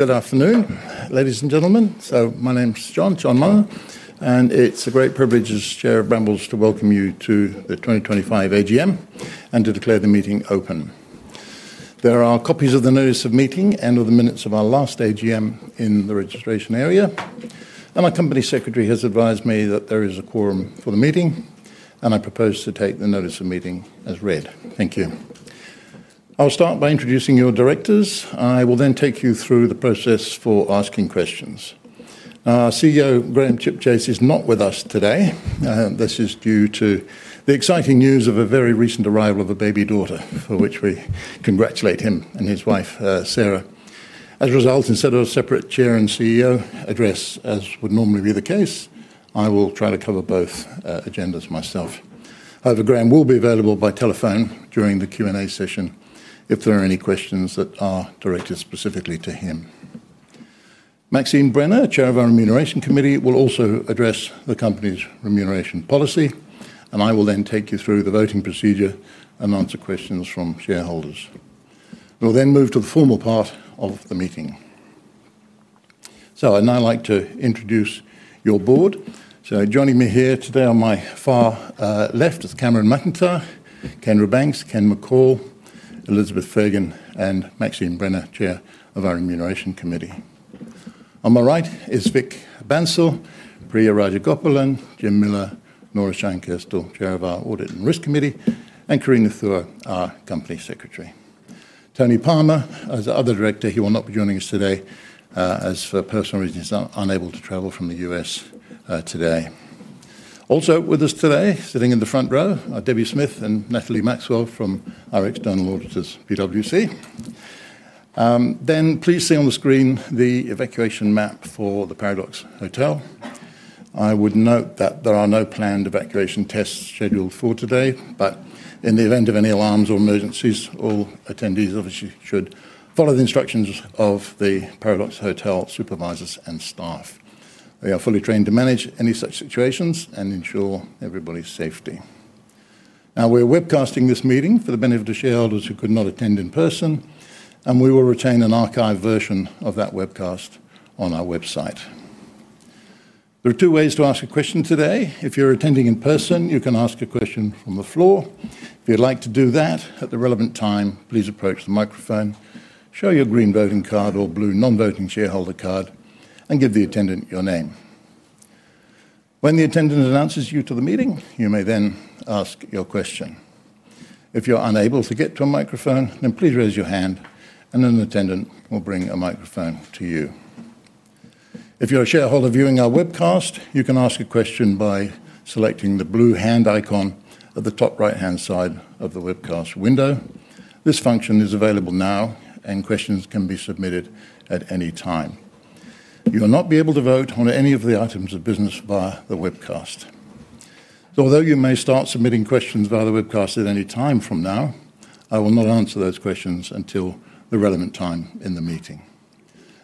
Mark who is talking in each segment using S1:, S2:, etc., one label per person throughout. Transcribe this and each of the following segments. S1: Good afternoon, ladies and gentlemen. My name's John, John Mullen, and it's a great privilege as Chair of Brambles to welcome you to the 2025 AGM and to declare the meeting open. There are copies of the notice of meeting and of the minutes of our last AGM in the registration area, and my Company Secretary has advised me that there is a quorum for the meeting. I propose to take the notice of meeting as read. Thank you. I'll start by introducing your directors. I will then take you through the process for asking questions. CEO Graham Chipchase is not with us today. This is due to the exciting news of a very recent arrival of a baby daughter, for which we congratulate him and his wife, Sarah. As a result, instead of a separate Chair and CEO address, as would normally be the case, I will try to cover both agendas myself. However, Graham will be available by telephone during the Q&A session if there are any questions that are directed specifically to him. Maxine Brenner, Chair of our Remuneration Committee, will also address the company's remuneration policy, and I will then take you through the voting procedure and answer questions from shareholders. We'll then move to the formal part of the meeting. I'd like to introduce your board. Joining me here today on my far left is Cameron McIntyre, Kendra Banks, Ken McCall, Elizabeth Fagan, and Maxine Brenner, Chair of our Remuneration Committee. On my right is Vic Bansal, Priya Rajagopalan, Jim Miller, Nora Scheinkestel, Chair of our Audit and Risk Committee, and Carina Thuaux, our Company Secretary. Tony Palmer, as the other Director, will not be joining us today as for personal reasons, unable to travel from the U.S. today. Also with us today, sitting in the front row, are Debbie Smith and Natalie Maxwell from our external auditors, PwC. Please see on the screen the evacuation map for the Paradox Hotel. I would note that there are no planned evacuation tests scheduled for today, but in the event of any alarms or emergencies, all attendees obviously should follow the instructions of the Paradox Hotel supervisors and staff. We are fully trained to manage any such situations and ensure everybody's safety. Now, we're webcasting this meeting for the benefit of shareholders who could not attend in person, and we will retain an archived version of that webcast on our website. There are two ways to ask a question today. If you're attending in person, you can ask a question from the floor. If you'd like to do that at the relevant time, please approach the microphone, show your green voting card or blue non-voting shareholder card, and give the attendant your name. When the attendant announces you to the meeting, you may then ask your question. If you're unable to get to a microphone, please raise your hand, and an attendant will bring a microphone to you. If you're a shareholder viewing our webcast, you can ask a question by selecting the blue hand icon at the top right-hand side of the webcast window. This function is available now, and questions can be submitted at any time. You will not be able to vote on any of the items of business via the webcast. Although you may start submitting questions via the webcast at any time from now, I will not answer those questions until the relevant time in the meeting.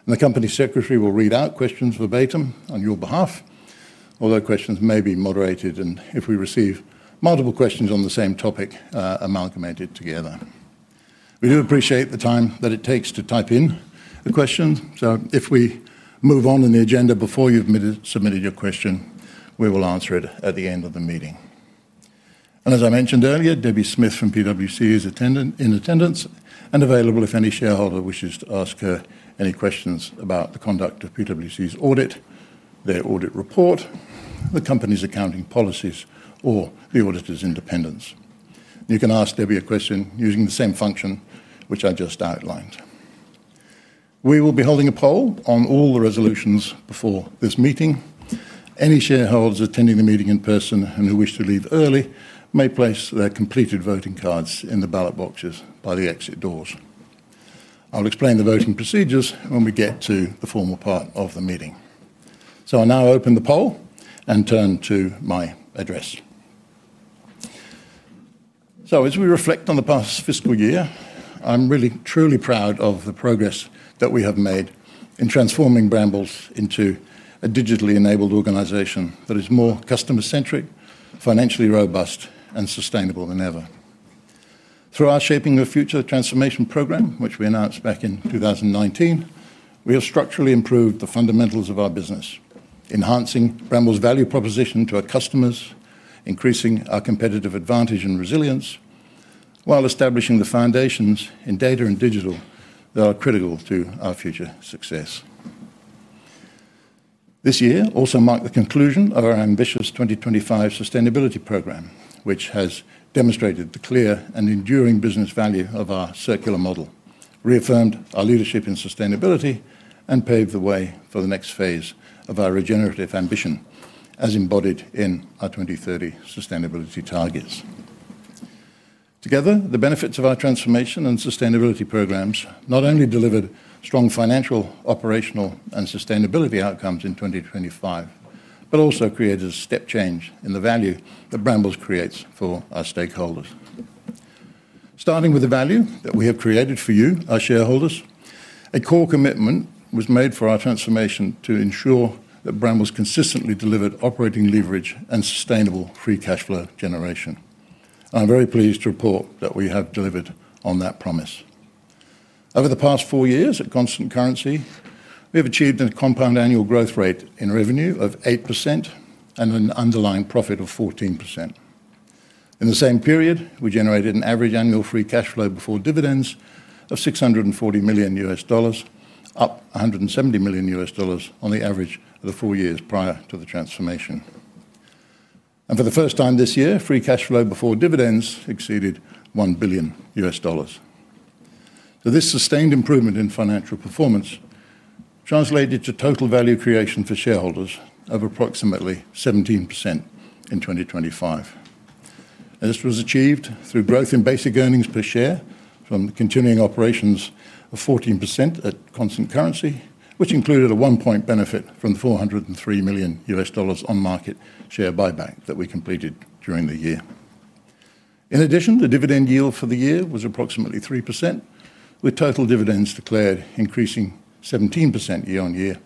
S1: The Company Secretary will read out questions verbatim on your behalf, although questions may be moderated, and if we receive multiple questions on the same topic, amalgamated together. We do appreciate the time that it takes to type in a question, so if we move on in the agenda before you've submitted your question, we will answer it at the end of the meeting. As I mentioned earlier, Debbie Smith from PwC is in attendance and available if any shareholder wishes to ask her any questions about the conduct of PwC's audit, their audit report, the company's accounting policies, or the auditor's independence. You can ask Debbie a question using the same function which I just outlined. We will be holding a poll on all the resolutions before this meeting. Any shareholders attending the meeting in person and who wish to leave early may place their completed voting cards in the ballot boxes by the exit doors. I'll explain the voting procedures when we get to the formal part of the meeting. I now open the poll and turn to my address. As we reflect on the past fiscal year, I'm really, truly proud of the progress that we have made in transforming Brambles into a digitally enabled organization that is more customer-centric, financially robust, and sustainable than ever. Through our Shaping the Future Transformation Program, which we announced back in 2019, we have structurally improved the fundamentals of our business, enhancing Brambles' value proposition to our customers, increasing our competitive advantage and resilience, while establishing the foundations in data and digital that are critical to our future success. This year also marked the conclusion of our ambitious 2025 Sustainability Program, which has demonstrated the clear and enduring business value of our circular model, reaffirmed our leadership in sustainability, and paved the way for the next phase of our regenerative ambition, as embodied in our 2030 sustainability targets. Together, the benefits of our transformation and sustainability programs not only delivered strong financial, operational, and sustainability outcomes in 2025, but also created a step change in the value that Brambles creates for our stakeholders. Starting with the value that we have created for you, our shareholders, a core commitment was made for our transformation to ensure that Brambles consistently delivered operating leverage and sustainable free cash flow generation. I'm very pleased to report that we have delivered on that promise. Over the past four years, at constant currency, we have achieved a compound annual growth rate in revenue of 8% and an underlying profit of 14%. In the same period, we generated an average annual free cash flow before dividends of $640 million, up $170 million on the average of the four years prior to the transformation. For the first time this year, free cash flow before dividends exceeded $1 billion. This sustained improvement in financial performance translated to total value creation for shareholders of approximately 17% in 2025. This was achieved through growth in basic earnings per share from continuing operations of 14% at constant currency, which included a one-point benefit from the $403 million on market share buyback that we completed during the year. In addition, the dividend yield for the year was approximately 3%, with total dividends declared increasing 17% year-on-year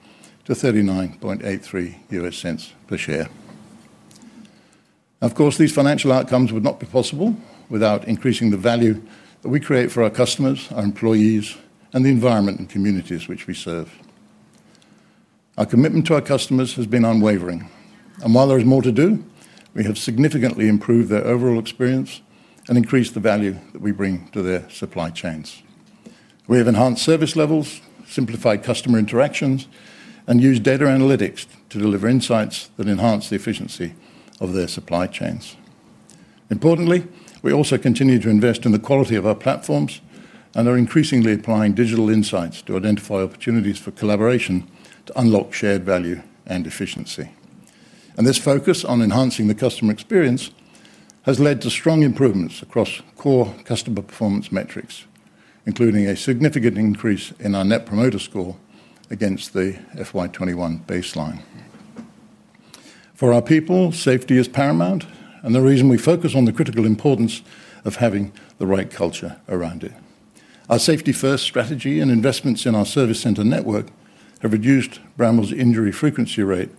S1: to $39.83 per share. Of course, these financial outcomes would not be possible without increasing the value that we create for our customers, our employees, and the environment and communities which we serve. Our commitment to our customers has been unwavering, and while there is more to do, we have significantly improved their overall experience and increased the value that we bring to their supply chains. We have enhanced service levels, simplified customer interactions, and used data analytics to deliver insights that enhance the efficiency of their supply chains. Importantly, we also continue to invest in the quality of our platforms and are increasingly applying digital insights to identify opportunities for collaboration to unlock shared value and efficiency. This focus on enhancing the customer experience has led to strong improvements across core customer performance metrics, including a significant increase in our Net Promoter Score against the FY 2021 baseline. For our people, safety is paramount, and the reason we focus on the critical importance of having the right culture around it. Our safety-first strategy and investments in our service center network have reduced Brambles' injury frequency rate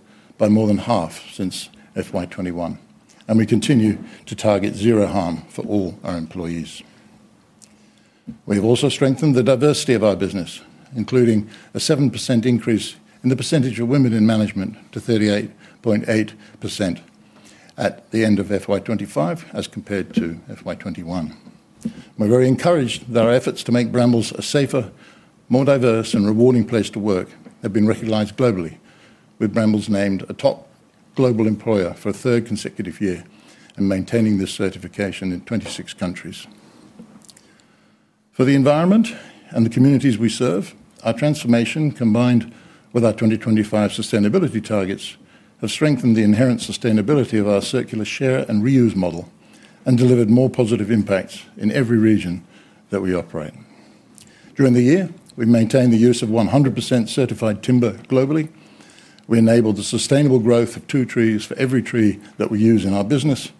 S1: by more than half since FY 2021, and we continue to target zero harm for all our employees. We have also strengthened the diversity of our business, including a 7% increase in the percentage of women in management to 38.8% at the end of FY 2025 as compared to FY 2021. We're very encouraged that our efforts to make Brambles a safer, more diverse, and rewarding place to work have been recognized globally, with Brambles named a top global employer for a third consecutive year and maintaining this certification in 26 countries. For the environment and the communities we serve, our transformation, combined with our 2025 Sustainability Program targets, have strengthened the inherent sustainability of our circular share and reuse model and delivered more positive impacts in every region that we operate in. During the year, we maintained the use of 100% certified timber globally. We enabled the sustainable growth of two trees for every tree that we use in our business,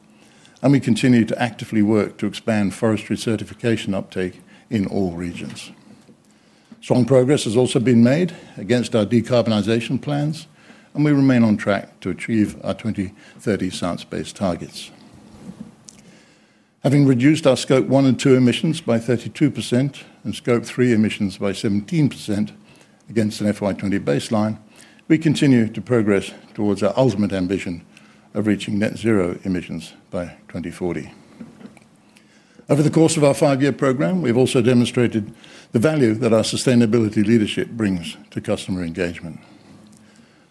S1: and we continue to actively work to expand forestry certification uptake in all regions. Strong progress has also been made against our decarbonization plans, and we remain on track to achieve our 2030 science-based targets. Having reduced our Scope 1 and 2 emissions by 32% and Scope 3 emissions by 17% against an FY 2020 baseline, we continue to progress towards our ultimate ambition of reaching net zero emissions by 2040. Over the course of our five-year program, we've also demonstrated the value that our sustainability leadership brings to customer engagement.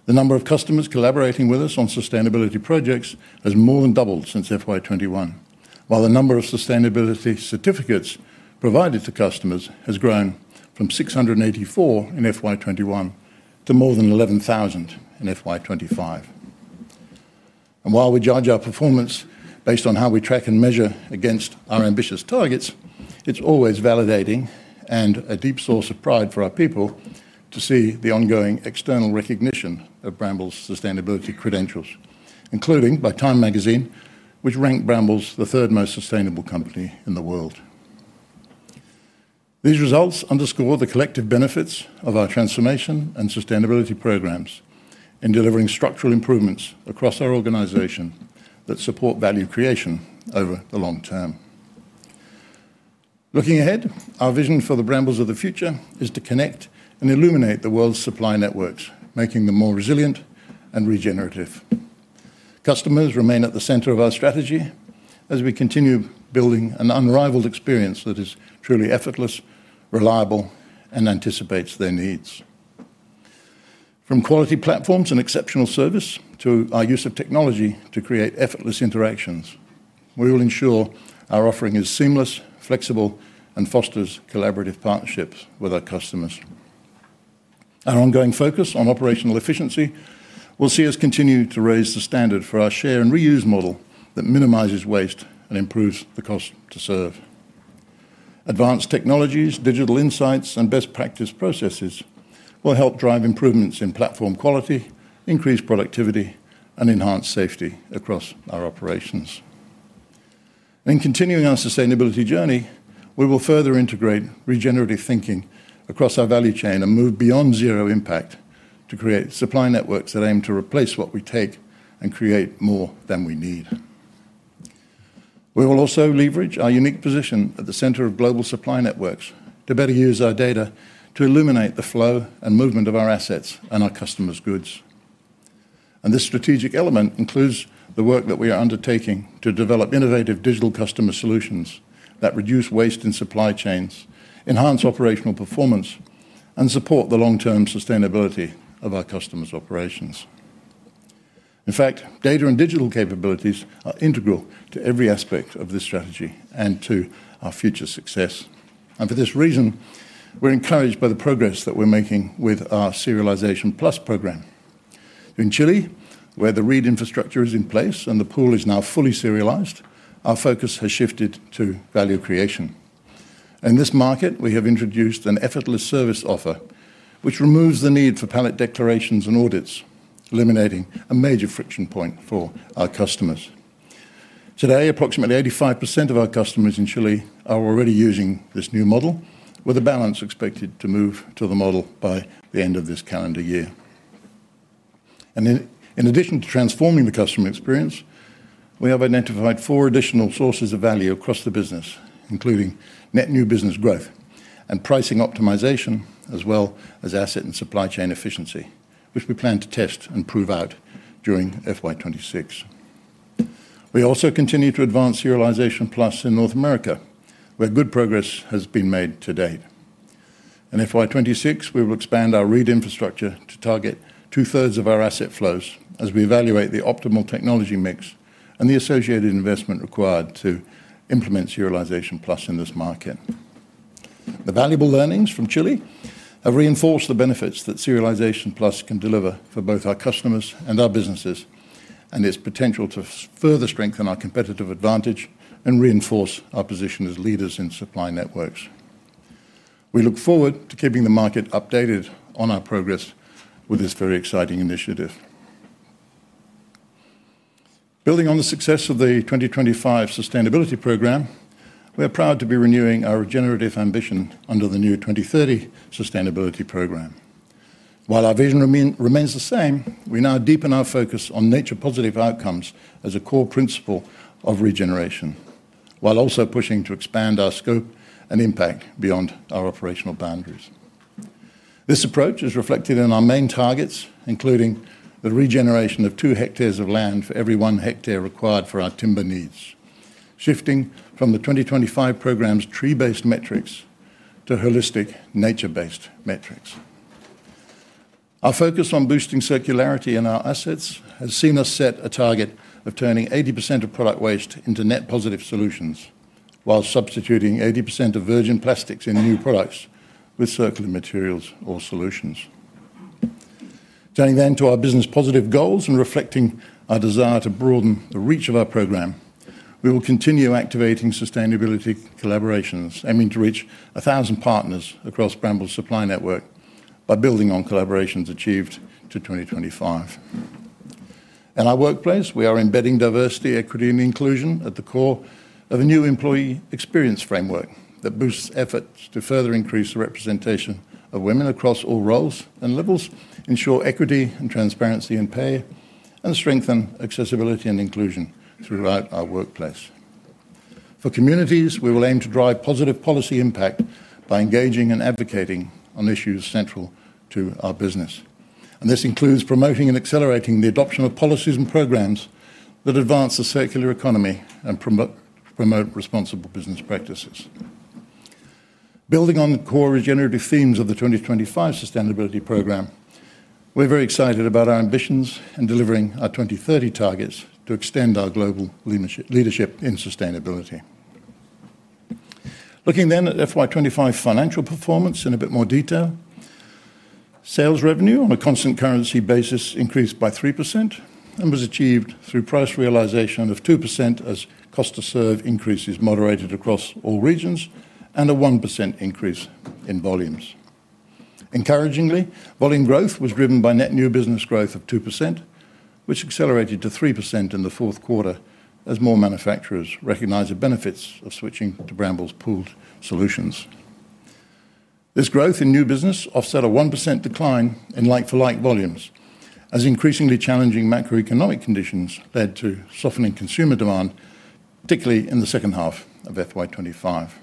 S1: The number of customers collaborating with us on sustainability projects has more than doubled since FY 2021, while the number of sustainability certificates provided to customers has grown from 684 in FY 2021 to more than 11,000 in FY 2025. While we judge our performance based on how we track and measure against our ambitious targets, it's always validating and a deep source of pride for our people to see the ongoing external recognition of Brambles' sustainability credentials, including by Time Magazine, which ranked Brambles the third most sustainable company in the world. These results underscore the collective benefits of our transformation and sustainability programs in delivering structural improvements across our organization that support value creation over the long term. Looking ahead, our vision for the Brambles of the future is to connect and illuminate the world's supply networks, making them more resilient and regenerative. Customers remain at the center of our strategy as we continue building an unrivaled experience that is truly effortless, reliable, and anticipates their needs. From quality platforms and exceptional service to our use of technology to create effortless interactions, we will ensure our offering is seamless, flexible, and fosters collaborative partnerships with our customers. Our ongoing focus on operational efficiency will see us continue to raise the standard for our share and reuse model that minimizes waste and improves the cost to serve. Advanced technologies, digital insights, and best practice processes will help drive improvements in platform quality, increase productivity, and enhance safety across our operations. In continuing our sustainability journey, we will further integrate regenerative thinking across our value chain and move beyond zero impact to create supply networks that aim to replace what we take and create more than we need. We will also leverage our unique position at the center of global supply networks to better use our data to illuminate the flow and movement of our assets and our customers' goods. This strategic element includes the work that we are undertaking to develop innovative digital customer solutions that reduce waste in supply chains, enhance operational performance, and support the long-term sustainability of our customers' operations. In fact, data and digital capabilities are integral to every aspect of this strategy and to our future success. For this reason, we're encouraged by the progress that we're making with our Serialization Plus program. In Chile, where the reed infrastructure is in place and the pool is now fully serialized, our focus has shifted to value creation. In this market, we have introduced an effortless service offer which removes the need for pallet declarations and audits, eliminating a major friction point for our customers. Today, approximately 85% of our customers in Chile are already using this new model, with a balance expected to move to the model by the end of this calendar year. In addition to transforming the customer experience, we have identified four additional sources of value across the business, including net new business growth and pricing optimization, as well as asset and supply chain efficiency, which we plan to test and prove out during FY 2026. We also continue to advance the Serialization Plus program in North America, where good progress has been made to date. In FY 2026, we will expand our RFID infrastructure to target two-thirds of our asset flows as we evaluate the optimal technology mix and the associated investment required to implement the Serialization Plus program in this market. The valuable learnings from Chile have reinforced the benefits that the Serialization Plus program can deliver for both our customers and our businesses, and its potential to further strengthen our competitive advantage and reinforce our position as leaders in supply networks. We look forward to keeping the market updated on our progress with this very exciting initiative. Building on the success of the 2025 Sustainability Program, we're proud to be renewing our regenerative ambition under the new 2030 Sustainability Program. While our vision remains the same, we now deepen our focus on nature-positive outcomes as a core principle of regeneration, while also pushing to expand our scope and impact beyond our operational boundaries. This approach is reflected in our main targets, including the regeneration of two hectares of land for every one hectare required for our timber needs, shifting from the 2025 program's tree-based metrics to holistic nature-based metrics. Our focus on boosting circularity in our assets has seen us set a target of turning 80% of product waste into net positive solutions, while substituting 80% of virgin plastics in new products with circular materials or solutions. Turning then to our business-positive goals and reflecting our desire to broaden the reach of our program, we will continue activating sustainability collaborations aiming to reach 1,000 partners across Brambles' supply network by building on collaborations achieved to 2025. In our workplace, we are embedding diversity, equity, and inclusion at the core of a new employee experience framework that boosts efforts to further increase the representation of women across all roles and levels, ensure equity and transparency in pay, and strengthen accessibility and inclusion throughout our workplace. For communities, we will aim to drive positive policy impact by engaging and advocating on issues central to our business. This includes promoting and accelerating the adoption of policies and programs that advance the circular economy and promote responsible business practices. Building on the core regenerative themes of the 2025 Sustainability Program, we're very excited about our ambitions in delivering our 2030 targets to extend our global leadership in sustainability. Looking then at FY 2025 financial performance in a bit more detail, sales revenue on a constant currency basis increased by 3% and was achieved through price realization of 2% as cost to serve increases moderated across all regions and a 1% increase in volumes. Encouragingly, volume growth was driven by net new business growth of 2%, which accelerated to 3% in the fourth quarter as more manufacturers recognized the benefits of switching to Brambles' pooled solutions. This growth in new business offset a 1% decline in like-for-like volumes as increasingly challenging macroeconomic conditions led to softening consumer demand, particularly in the second half of FY 2025.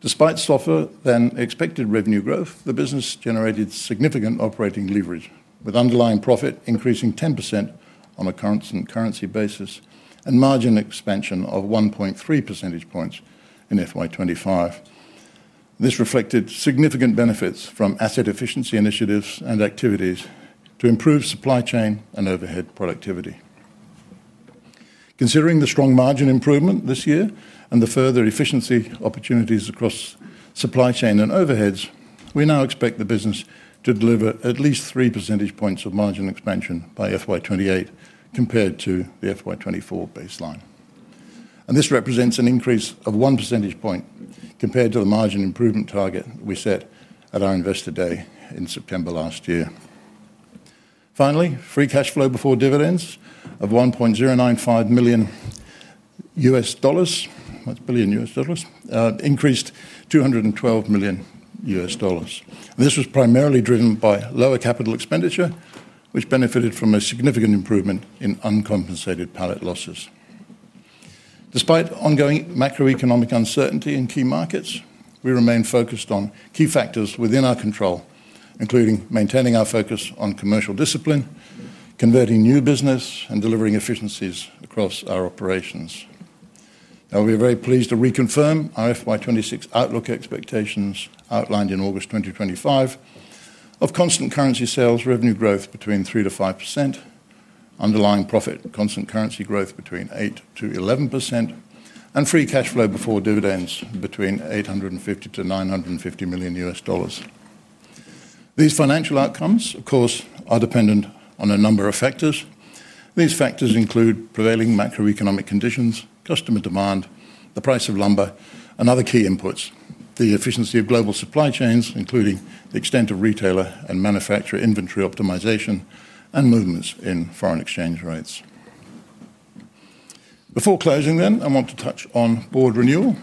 S1: Despite softer than expected revenue growth, the business generated significant operating leverage, with underlying profit increasing 10% on a current currency basis and margin expansion of 1.3 percentage points in FY 2025. This reflected significant benefits from asset efficiency initiatives and activities to improve supply chain and overhead productivity. Considering the strong margin improvement this year and the further efficiency opportunities across supply chain and overheads, we now expect the business to deliver at least three percentage points of margin expansion by FY 2028 compared to the FY 2024 baseline. This represents an increase of one percentage point compared to the margin improvement target we set at our Investor Day in September last year. Finally, free cash flow before dividends of $1.095 billion increased $212 million. This was primarily driven by lower capital expenditure, which benefited from a significant improvement in uncompensated pallet losses. Despite ongoing macroeconomic uncertainty in key markets, we remain focused on key factors within our control, including maintaining our focus on commercial discipline, converting new business, and delivering efficiencies across our operations. Now, we are very pleased to reconfirm our FY 2026 outlook expectations outlined in August 2025 of constant currency sales revenue growth between 3%-5%, underlying profit constant currency growth between 8%-11%, and free cash flow before dividends between $850 million-$950 million. These financial outcomes, of course, are dependent on a number of factors. These factors include prevailing macroeconomic conditions, customer demand, the price of lumber and other key inputs, the efficiency of global supply chains, including the extent of retailer and manufacturer inventory optimization, and movements in foreign exchange rates. Before closing then, I want to touch on board renewal.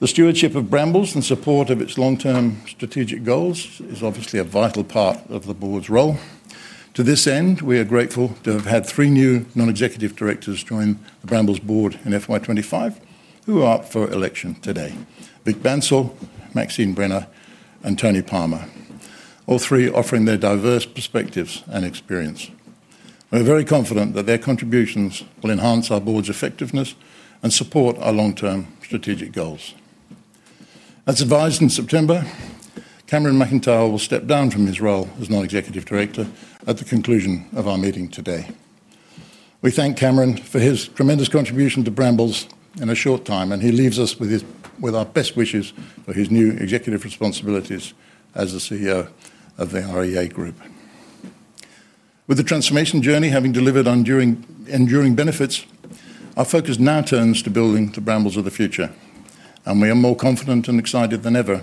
S1: The stewardship of Brambles and support of its long-term strategic goals is obviously a vital part of the board's role. To this end, we are grateful to have had three new non-executive directors join the Brambles board in FY 2025 who are up for election today: Vic Bansal, Maxine Brenner, and Anthony John Palmer, all three offering their diverse perspectives and experience. We're very confident that their contributions will enhance our board's effectiveness and support our long-term strategic goals. As advised in September, Cameron McIntyre will step down from his role as non-executive director at the conclusion of our meeting today. We thank Cameron for his tremendous contribution to Brambles in a short time, and he leaves us with our best wishes for his new executive responsibilities as the CEO of the REA Group. With the transformation journey having delivered on enduring benefits, our focus now turns to building the Brambles of the future, and we are more confident and excited than ever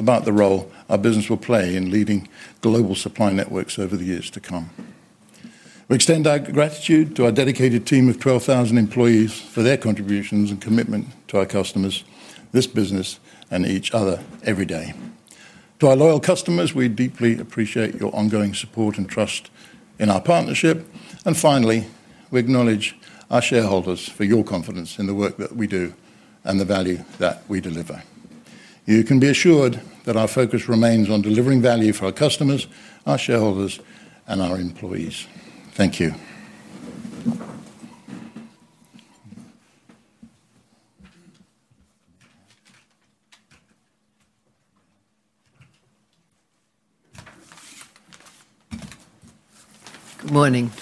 S1: about the role our business will play in leading global supply networks over the years to come. We extend our gratitude to our dedicated team of 12,000 employees for their contributions and commitment to our customers, this business, and each other every day. To our loyal customers, we deeply appreciate your ongoing support and trust in our partnership. We acknowledge our shareholders for your confidence in the work that we do and the value that we deliver. You can be assured that our focus remains on delivering value for our customers, our shareholders, and our employees. Thank you.
S2: Good morning.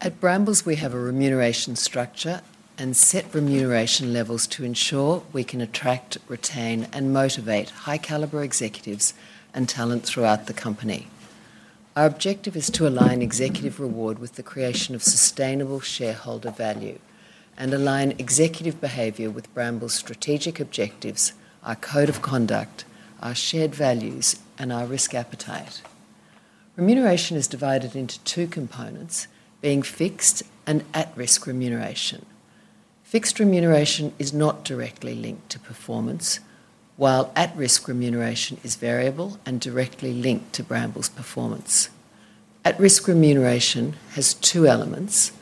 S2: At Brambles, we have a remuneration structure and set remuneration levels to ensure we can attract, retain, and motivate high-caliber executives and talent throughout the company. Our objective is to align executive reward with the creation of sustainable shareholder value and align executive behavior with Brambles' strategic objectives, our code of conduct, our shared values, and our risk appetite. Remuneration is divided into two components, being fixed and at-risk remuneration. Fixed remuneration is not directly linked to performance, while at-risk remuneration is variable and directly linked to Brambles' performance. At-risk remuneration has two elements.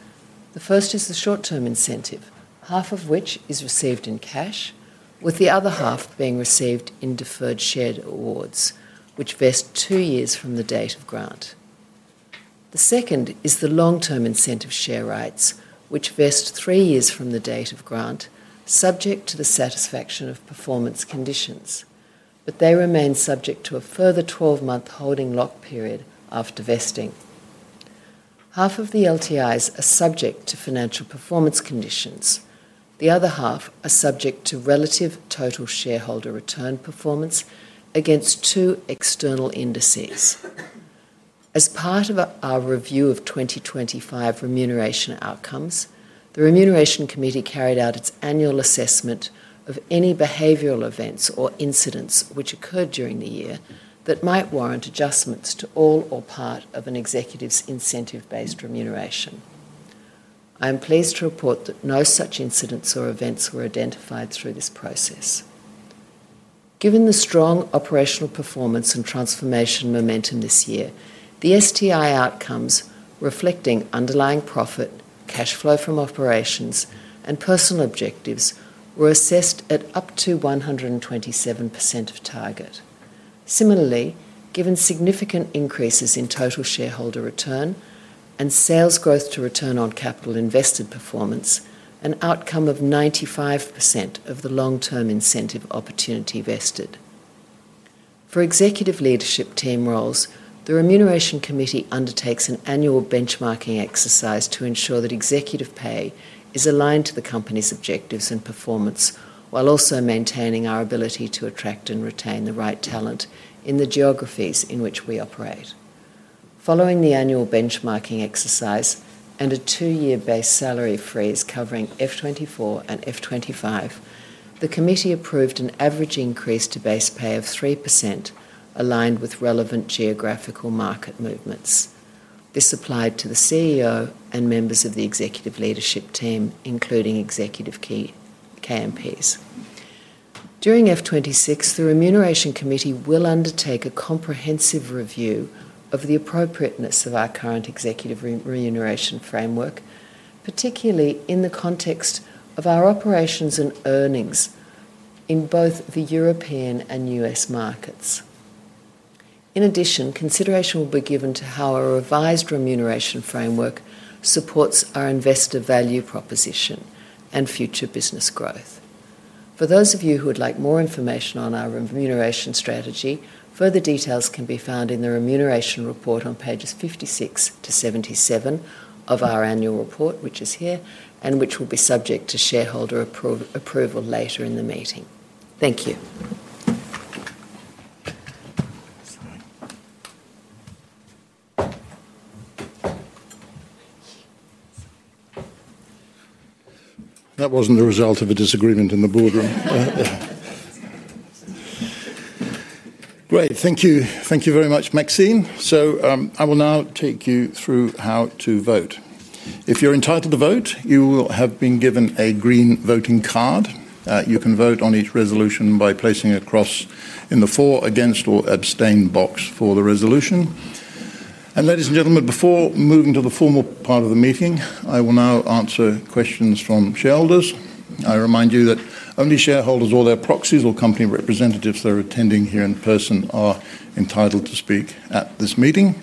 S2: The first is the short-term incentive, half of which is received in cash, with the other half being received in deferred share awards, which vest two years from the date of grant. The second is the long-term incentive share rights, which vest three years from the date of grant, subject to the satisfaction of performance conditions, but they remain subject to a further 12-month holding lock period after vesting. Half of the LTIs are subject to financial performance conditions. The other half are subject to relative total shareholder return performance against two external indices. As part of our review of 2025 remuneration outcomes, the Remuneration Committee carried out its annual assessment of any behavioral events or incidents which occurred during the year that might warrant adjustments to all or part of an executive's incentive-based remuneration. I am pleased to report that no such incidents or events were identified through this process. Given the strong operational performance and transformation momentum this year, the STI outcomes reflecting underlying profit, cash flow from operations, and personal objectives were assessed at up to 127% of target. Similarly, given significant increases in total shareholder return and sales growth to return on capital invested performance, an outcome of 95% of the long-term incentive opportunity vested. For executive leadership team roles, the Remuneration Committee undertakes an annual benchmarking exercise to ensure that executive pay is aligned to the company's objectives and performance, while also maintaining our ability to attract and retain the right talent in the geographies in which we operate. Following the annual benchmarking exercise and a two-year base salary freeze covering FY 2024 and FY 2025, the committee approved an average increase to base pay of 3%, aligned with relevant geographical market movements. This applied to the CEO and members of the executive leadership team, including executive KMPs. During FY 2026, the Remuneration Committee will undertake a comprehensive review of the appropriateness of our current executive remuneration framework, particularly in the context of our operations and earnings in both the European and U.S. markets. In addition, consideration will be given to how a revised remuneration framework supports our investor value proposition and future business growth. For those of you who would like more information on our remuneration strategy, further details can be found in the remuneration report on pages 56-77 of our annual report, which is here and which will be subject to shareholder approval later in the meeting. Thank you. That wasn't a result of a disagreement in the boardroom.
S1: Great. Thank you. Thank you very much, Maxine. I will now take you through how to vote. If you're entitled to vote, you will have been given a green voting card. You can vote on each resolution by placing a cross in the for, against, or abstain box for the resolution. Ladies and gentlemen, before moving to the formal part of the meeting, I will now answer questions from shareholders. I remind you that only shareholders or their proxies or company representatives that are attending here in person are entitled to speak at this meeting.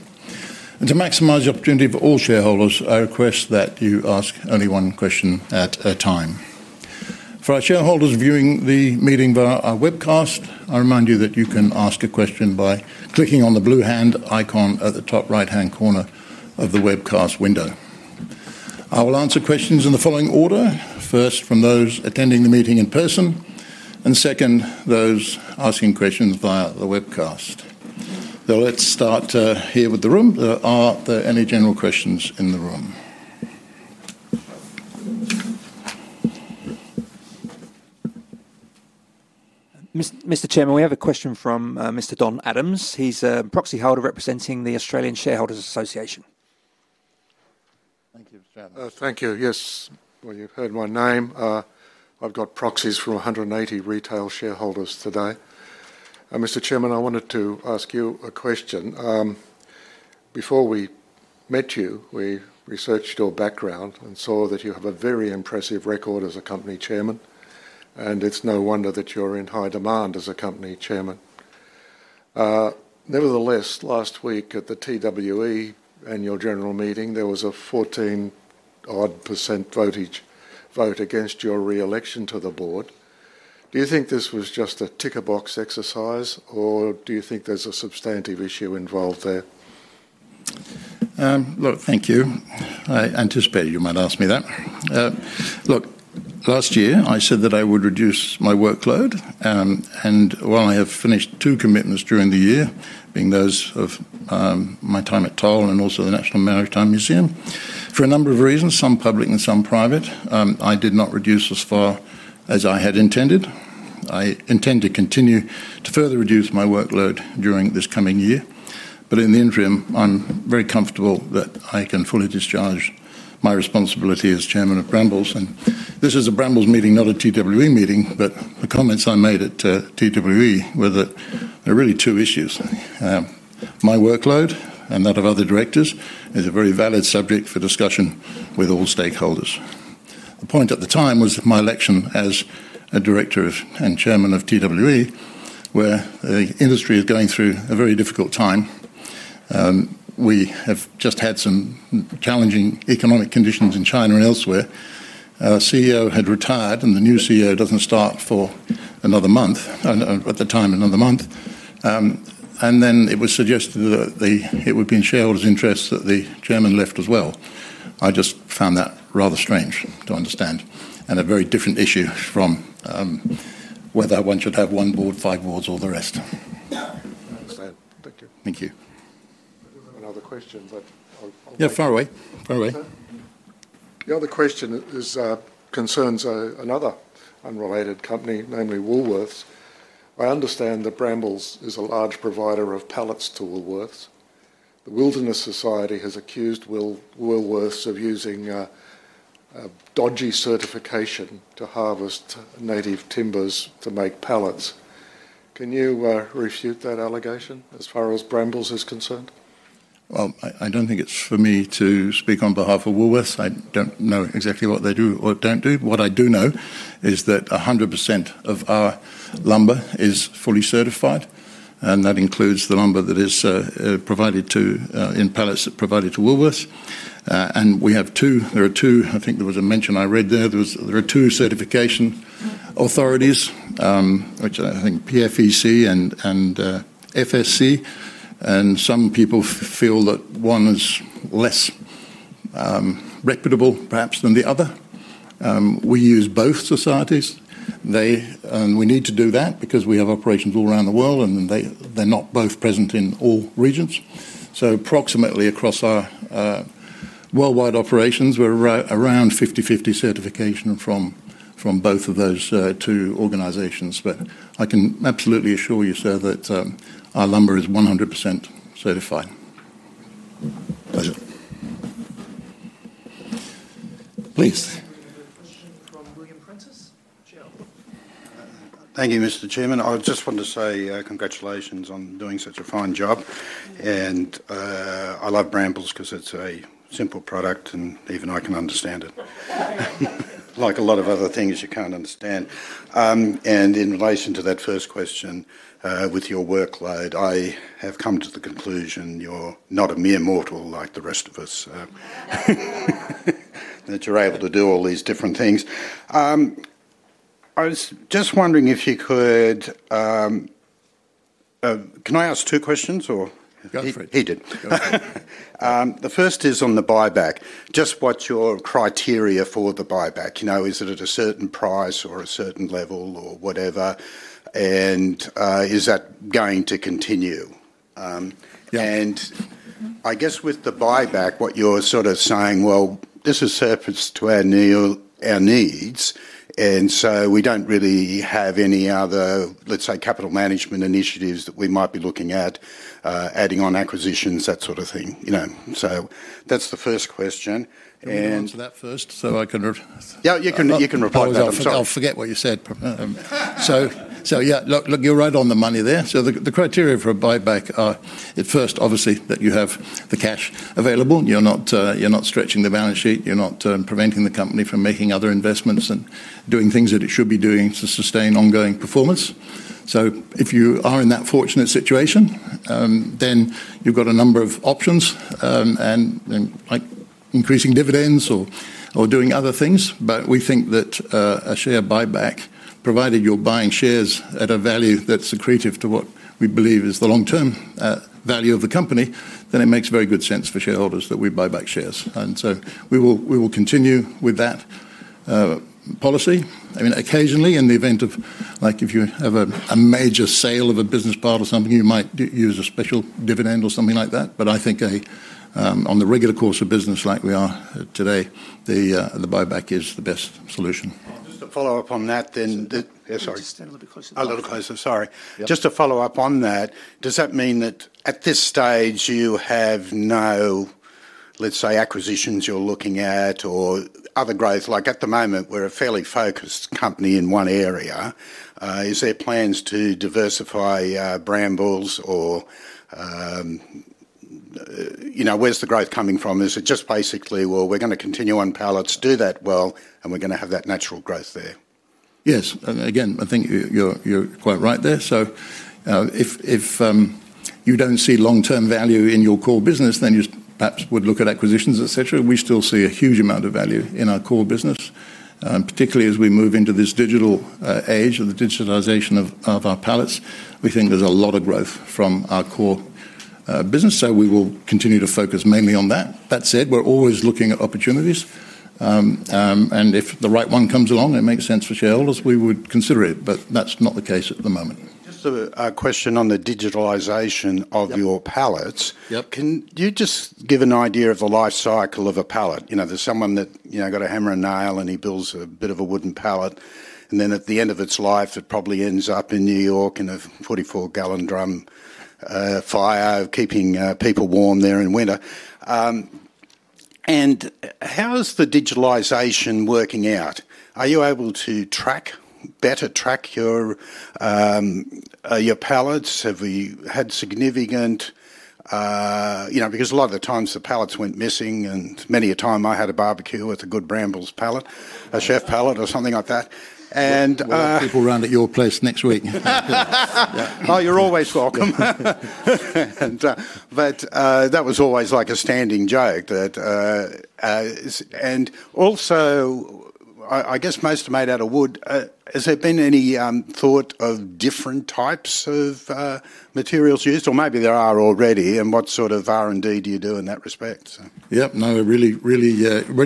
S1: To maximize the opportunity for all shareholders, I request that you ask only one question at a time. For our shareholders viewing the meeting via our webcast, I remind you that you can ask a question by clicking on the blue hand icon at the top right-hand corner of the webcast window. I will answer questions in the following order: first, from those attending the meeting in person, and second, those asking questions via the webcast. Let's start here with the room. Are there any general questions in the room?tenth
S3: Mr. Chairman, we have a question from Mr. Don Adams. He's a proxy holder representing the Australian Shareholders Association.
S4: Thank you. Thank you. Yes. You've heard my name. I've got proxies from 180 retail shareholders today. Mr. Chairman, I wanted to ask you a question. Before we met you, we researched your background and saw that you have a very impressive record as a company Chairman, and it's no wonder that you're in high demand as a company Chairman. Nevertheless, last week at the TWE annual general meeting, there was a 14% vote against your reelection to the board. Do you think this was just a ticker box exercise, or do you think there's a substantive issue involved there?
S1: Thank you. I anticipated you might ask me that. Last year I said that I would reduce my workload, and while I have finished two commitments during the year, being those of my time at Toll and also the National Maritime Museum, for a number of reasons, some public and some private, I did not reduce as far as I had intended. I intend to continue to further reduce my workload during this coming year. In the interim, I'm very comfortable that I can fully discharge my responsibility as Chairman of Brambles. This is a Brambles meeting, not a TWE meeting, but the comments I made at TWE were that there are really two issues. My workload and that of other directors is a very valid subject for discussion with all stakeholders. The point at the time was that my election as a director and Chairman of TWE, where the industry is going through a very difficult time, we have just had some challenging economic conditions in China and elsewhere. Our CEO had retired, and the new CEO doesn't start for another month, at the time another month. It was suggested that it would be in shareholders' interests that the Chairman left as well. I just found that rather strange to understand and a very different issue from whether one should have one board, five boards, or the rest.
S4: Thank you. Another question.
S1: Yeah, fire away. Fire away.
S4: The other question concerns another unrelated company, namely Woolworths. I understand that Brambles is a large provider of pallets to Woolworths. The Wilderness Society has accused Woolworths of using dodgy certification to harvest native timbers to make pallets. Can you refute that allegation as far as Brambles is concerned?
S1: I don't think it's for me to speak on behalf of Woolworths. I don't know exactly what they do or don't do. What I do know is that 100% of our lumber is fully certified, and that includes the lumber that is provided in pallets provided to Woolworths. There are two, I think there was a mention I read there, there are two certification authorities, which I think are PEFC and FSC, and some people feel that one is less reputable perhaps than the other. We use both societies, and we need to do that because we have operations all around the world, and they're not both present in all regions. Approximately across our worldwide operations, we're around 50/50 certification from both of those two organizations. I can absolutely assure you, sir, that our lumber is 100% certified.
S4: Please.
S3: We have a question from William Prentice. Thank you, Mr. Chairman. I just wanted to say congratulations on doing such a fine job. I love Brambles because it's a simple product, and even I can understand it. Like a lot of other things you can't understand. In relation to that first question, with your workload, I have come to the conclusion you're not a mere mortal like the rest of us, that you're able to do all these different things. I was just wondering if you could, can I ask two questions?
S1: Go for it. He did. The first is on the buyback. What's your criteria for the buyback? Is it at a certain price or a certain level or whatever? Is that going to continue? With the buyback, you're sort of saying this has surfaced to our needs, and we don't really have any other, let's say, capital management initiatives that we might be looking at, adding on acquisitions, that sort of thing. That's the first question. Can I answer that first? Yeah, you can reply to that. You're right on the money there. The criteria for a buyback are at first, obviously, that you have the cash available. You're not stretching the balance sheet. You're not preventing the company from making other investments and doing things that it should be doing to sustain ongoing performance. If you are in that fortunate situation, then you've got a number of options, like increasing dividends or doing other things. We think that a share buyback, provided you're buying shares at a value that's accretive to what we believe is the long-term value of the company, makes very good sense for shareholders that we buy back shares. We will continue with that policy. Occasionally, in the event of, like if you have a major sale of a business part or something, you might use a special dividend or something like that. I think in the regular course of business, like we are today, the buyback is the best solution. Just to follow up on that, does that mean that at this stage you have no, let's say, acquisitions you're looking at or other growth? At the moment, we're a fairly focused company in one area. Is there plans to diversify Brambles or, you know, where's the growth coming from? Is it just basically, we're going to continue on pallets, do that well, and we're going to have that natural growth there? Yes, again, I think you're quite right there. If you don't see long-term value in your core business, then you perhaps would look at acquisitions, etc. We still see a huge amount of value in our core business, particularly as we move into this digital age of the digitalization of our pallets. We think there's a lot of growth from our core business, so we will continue to focus mainly on that. That said, we're always looking at opportunities, and if the right one comes along, it makes sense for shareholders, we would consider it, but that's not the case at the moment. Just a question on the digitalization of your pallets. Can you just give an idea of the life cycle of a pallet? You know, there's someone that got a hammer and nail, and he builds a bit of a wooden pallet, and then at the end of its life, it probably ends up in New York in a 44 gal drum fire, keeping people warm there in winter. How's the digitalization working out? Are you able to track, better track your pallets? Have we had significant, you know, because a lot of the times the pallets went missing, and many a time I had a barbecue with a good Brambles pallet, a CHEP pallet or something like that. I'll have people around at your place next week. Oh, you're always welcome. That was always like a standing joke, and also, I guess most are made out of wood. Has there been any thought of different types of materials used, or maybe there are already, and what sort of R&D do you do in that respect? Really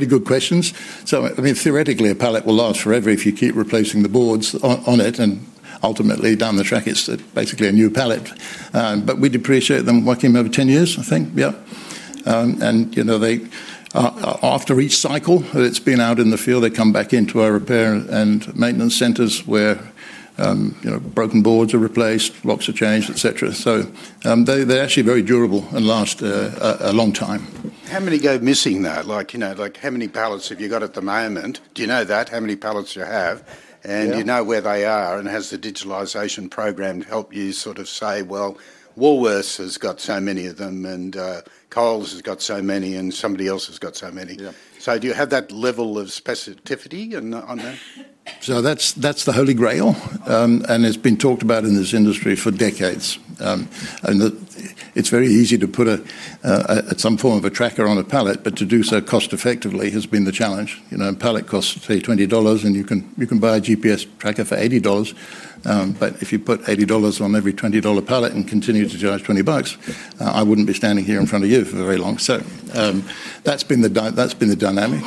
S1: good questions. I mean, theoretically, a pallet will last forever if you keep replacing the boards on it, and ultimately down the track, it's basically a new pallet. We'd appreciate them working over 10 years, I think. After each cycle that's been out in the field, they come back into our repair and maintenance centers where broken boards are replaced, locks are changed, etc. They're actually very durable and last a long time. How many go missing though? How many pallets have you got at the moment? Do you know that? How many pallets do you have? Do you know where they are? Has the digitalization program helped you sort of say, Woolworths has got so many of them, Coles has got so many, and somebody else has got so many? Do you have that level of specificity on that? That's the holy grail, and it's been talked about in this industry for decades. It's very easy to put some form of a tracker on a pallet, but to do so cost-effectively has been the challenge. You know, a pallet costs $20, and you can buy a GPS tracker for $80. If you put $80 on every $20 pallet and continue to charge $20, I wouldn't be standing here in front of you for very long. That's been the dynamic.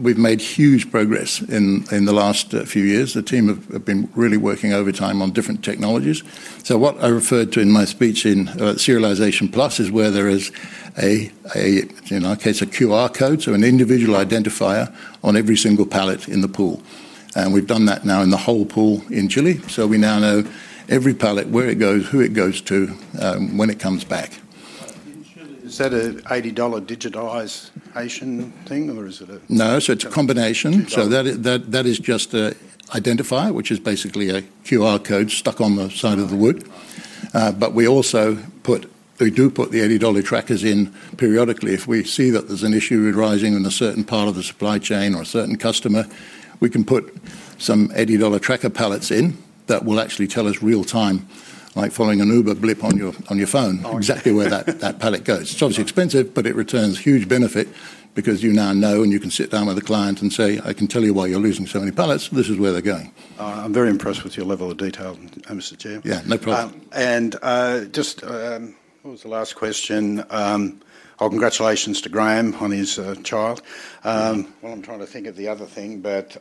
S1: We've made huge progress in the last few years. The team have been really working overtime on different technologies. What I referred to in my speech in Serialization Plus is where there is, in our case, a QR code, so an individual identifier on every single pallet in the pool. We've done that now in the whole pool in Chile. We now know every pallet, where it goes, who it goes to, when it comes back. Is that an $80 digitization thing, or is it a? No, it's a combination. That is just an identifier, which is basically a QR code stuck on the side of the wood. We also put, we do put the $80 trackers in periodically. If we see that there's an issue arising in a certain part of the supply chain or a certain customer, we can put some $80 tracker pallets in that will actually tell us real-time, like following an Uber blip on your phone, exactly where that pallet goes. It's obviously expensive, but it returns a huge benefit because you now know, and you can sit down with a client and say, I can tell you why you're losing so many pallets. This is where they're going. I'm very impressed with your level of detail, Mr. Chair. Yeah, no problem. What was the last question? Congratulations to Graham on his child. I'm trying to think of the other thing, but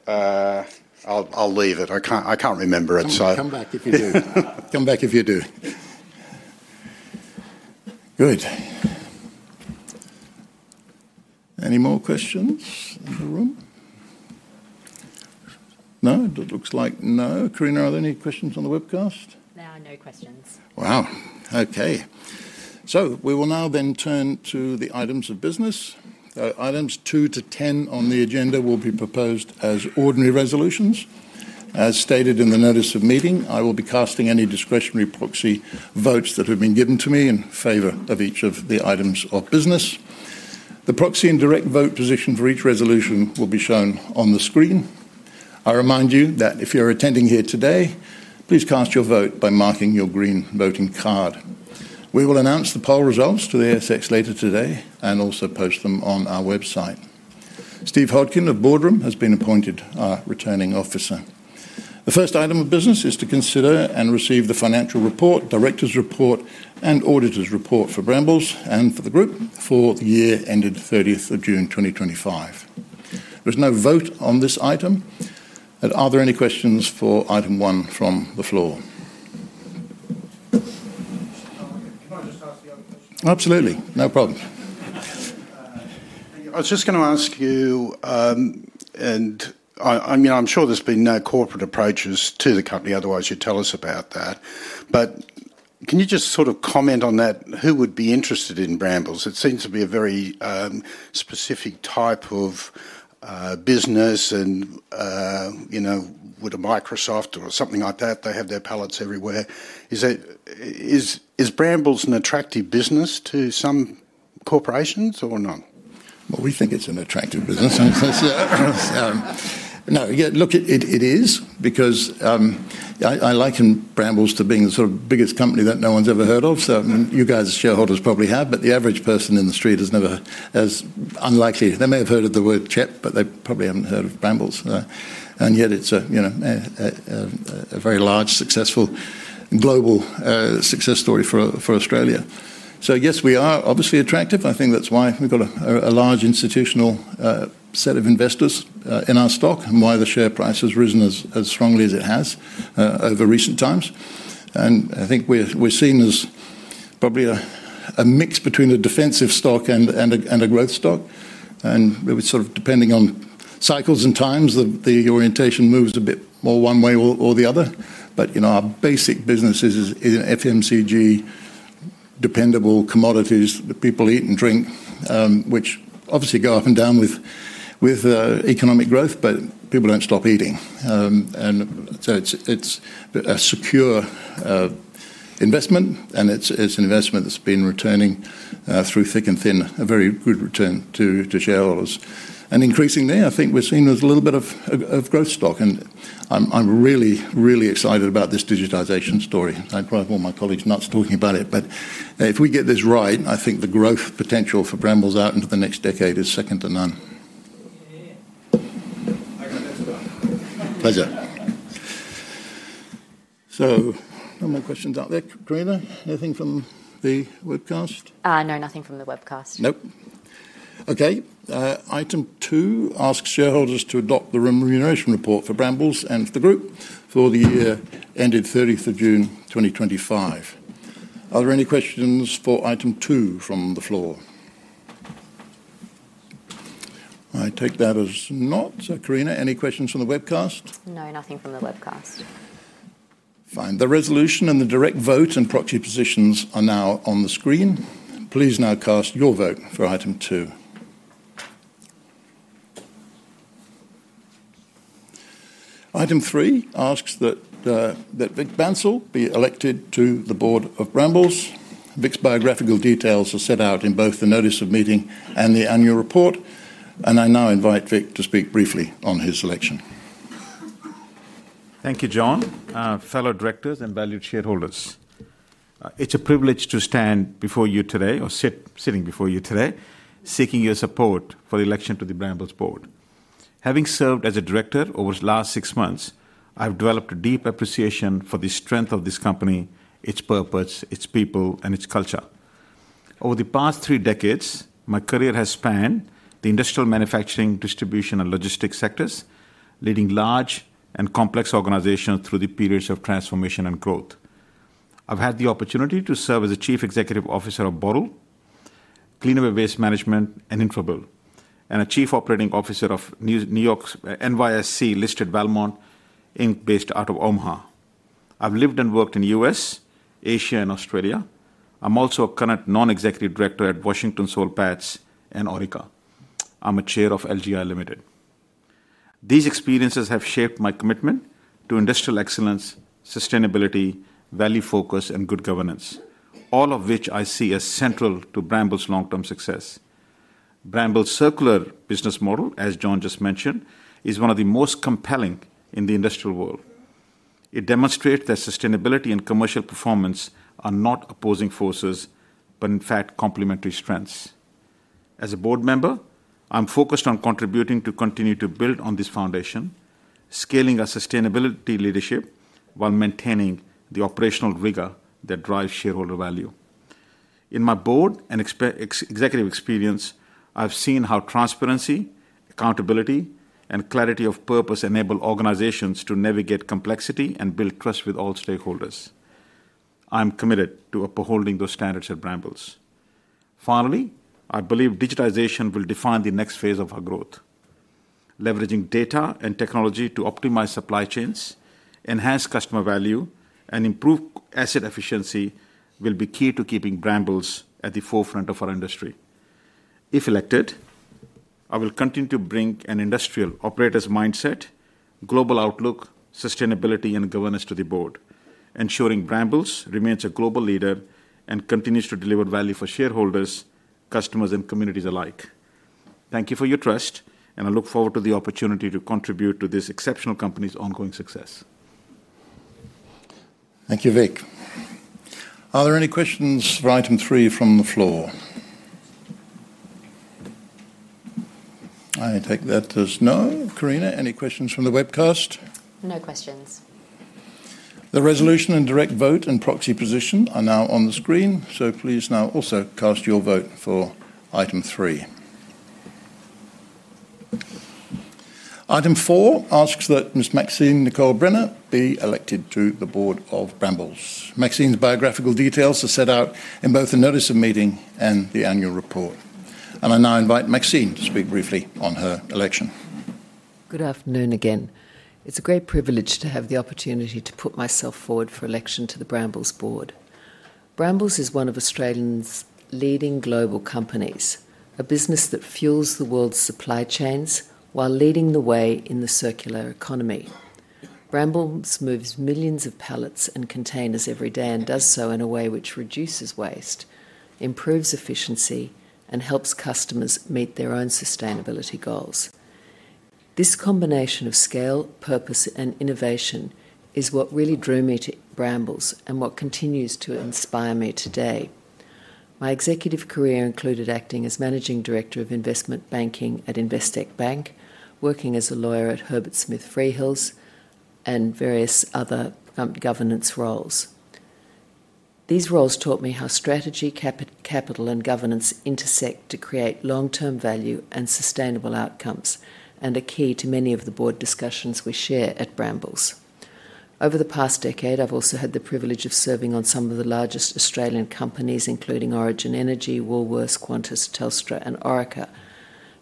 S1: I'll leave it. I can't remember it. Come back if you do. Come back if you do. Good. Any more questions in the room? No, it looks like no. Carina, are there any questions on the webcast?
S3: No, no questions.
S1: Okay. We will now then turn to the items of business. Items two to ten on the agenda will be proposed as ordinary resolutions. As stated in the notice of meeting, I will be casting any discretionary proxy votes that have been given to me in favor of each of the items of business. The proxy and direct vote position for each resolution will be shown on the screen. I remind you that if you're attending here today, please cast your vote by marking your green voting card. We will announce the poll results to the ASX later today and also post them on our website. Steve Hodgkin of Boardroom has been appointed our Returning Officer. The first item of business is to consider and receive the financial report, Director's Report, and Auditor's Report for Brambles Limited and for the group for the year ended June 30, 2025. There's no vote on this item. Are there any questions for item one from the floor?
S4: Can I just ask the other question?
S1: Absolutely, no problem.
S4: I was just going to ask you, and I mean, I'm sure there's been no corporate approaches to the company, otherwise you'd tell us about that. Can you just sort of comment on that? Who would be interested in Brambles? It seems to be a very specific type of business, and you know, with a Microsoft or something like that, they have their pallets everywhere. Is Brambles an attractive business to some corporations or not?
S1: I think it's an attractive business. It is because I liken Brambles to being the sort of biggest company that no one's ever heard of. You guys as shareholders probably have, but the average person in the street has never, as unlikely, they may have heard of the word CHEP, but they probably haven't heard of Brambles. Yet it's a very large, successful, global success story for Australia. Yes, we are obviously attractive. I think that's why we've got a large institutional set of investors in our stock and why the share price has risen as strongly as it has over recent times. I think we're seen as probably a mix between a defensive stock and a growth stock. We're sort of depending on cycles and times, the orientation moves a bit more one way or the other. You know, our basic business is in FMCG, dependable commodities that people eat and drink, which obviously go up and down with economic growth, but people don't stop eating. It's a secure investment, and it's an investment that's been returning through thick and thin, a very good return to shareholders. Increasingly, I think we're seen with a little bit of growth stock. I'm really, really excited about this digitization story. I drive all my colleagues nuts talking about it. If we get this right, I think the growth potential for Brambles out into the next decade is second to none. Pleasure. No more questions out there. Carina, anything from the webcast?
S3: No, nothing from the webcast.
S1: Nope. Okay. Item two asks shareholders to adopt the remuneration report for Brambles and for the group for the year ended June 30, 2025. Are there any questions for item two from the floor? I take that as not. Carina, any questions from the webcast?
S3: No, nothing from the webcast.
S1: Fine. The resolution and the direct vote and proxy positions are now on the screen. Please now cast your vote for item two. Item three asks that Vik Bansal be elected to the board of Brambles. Vik's biographical details are set out in both the notice of meeting and the annual report. I now invite Vik to speak briefly on his selection.
S5: Thank you, John. Fellow directors and valued shareholders, it's a privilege to stand before you today, or sitting before you today, seeking your support for the election to the Brambles board. Having served as a director over the last six months, I've developed a deep appreciation for the strength of this company, its purpose, its people, and its culture. Over the past three decades, my career has spanned the industrial manufacturing, distribution, and logistics sectors, leading large and complex organizations through periods of transformation and growth. I've had the opportunity to serve as a Chief Executive Officer of Boral, Cleanaway Waste Management, and Infratil, and a Chief Operating Officer of New York's NYSE-listed Valmont Inc. based out of Omaha. I've lived and worked in the U.S., Asia, and Australia. I'm also a current non-executive director at Washington Soul Pattinson and Orica. I'm a Chair of LGI Limited. These experiences have shaped my commitment to industrial excellence, sustainability, value focus, and good governance, all of which I see as central to Brambles' long-term success. Brambles' circular business model, as John just mentioned, is one of the most compelling in the industrial world. It demonstrates that sustainability and commercial performance are not opposing forces, but in fact complementary strengths. As a board member, I'm focused on contributing to continue to build on this foundation, scaling our sustainability leadership while maintaining the operational rigor that drives shareholder value. In my board and executive experience, I've seen how transparency, accountability, and clarity of purpose enable organizations to navigate complexity and build trust with all stakeholders. I'm committed to upholding those standards at Brambles. Finally, I believe digitization will define the next phase of our growth. Leveraging data and technology to optimize supply chains, enhance customer value, and improve asset efficiency will be key to keeping Brambles at the forefront of our industry. If elected, I will continue to bring an industrial operator's mindset, global outlook, sustainability, and governance to the board, ensuring Brambles remains a global leader and continues to deliver value for shareholders, customers, and communities alike. Thank you for your trust, and I look forward to the opportunity to contribute to this exceptional company's ongoing success.
S1: Thank you, Vic. Are there any questions for item three from the floor? I take that as no. Carina, any questions from the webcast?
S3: No questions.
S1: The resolution and direct vote and proxy position are now on the screen, so please now also cast your vote for item three. Item four asks that Ms. Maxine Nicole Brenner be elected to the board of Brambles. Maxine's biographical details are set out in both the notice of meeting and the annual report. I now invite Maxine to speak briefly on her election.
S2: Good afternoon again. It's a great privilege to have the opportunity to put myself forward for election to the Brambles board. Brambles is one of Australia's leading global companies, a business that fuels the world's supply chains while leading the way in the circular economy. Brambles moves millions of pallets and containers every day and does so in a way which reduces waste, improves efficiency, and helps customers meet their own sustainability goals. This combination of scale, purpose, and innovation is what really drew me to Brambles and what continues to inspire me today. My executive career included acting as Managing Director of investment banking at Investec Bank, working as a lawyer at Herbert Smith Freehills, and various other governance roles. These roles taught me how strategy, capital, and governance intersect to create long-term value and sustainable outcomes and are key to many of the board discussions we share at Brambles. Over the past decade, I've also had the privilege of serving on some of the largest Australian companies, including Origin Energy, Woolworths, Qantas, Telstra, and Orica.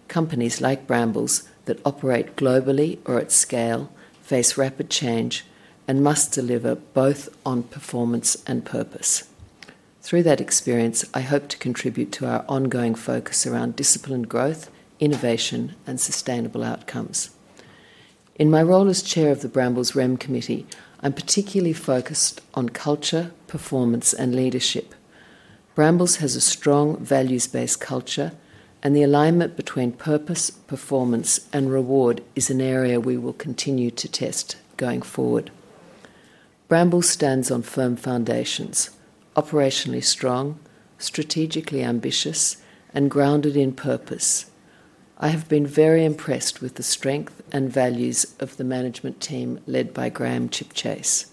S2: Companies like Brambles that operate globally or at scale face rapid change and must deliver both on performance and purpose. Through that experience, I hope to contribute to our ongoing focus around discipline, growth, innovation, and sustainable outcomes. In my role as Chair of the Brambles Remuneration Committee, I'm particularly focused on culture, performance, and leadership. Brambles has a strong values-based culture, and the alignment between purpose, performance, and reward is an area we will continue to test going forward. Brambles stands on firm foundations, operationally strong, strategically ambitious, and grounded in purpose. I have been very impressed with the strength and values of the management team led by Graham Chipchase.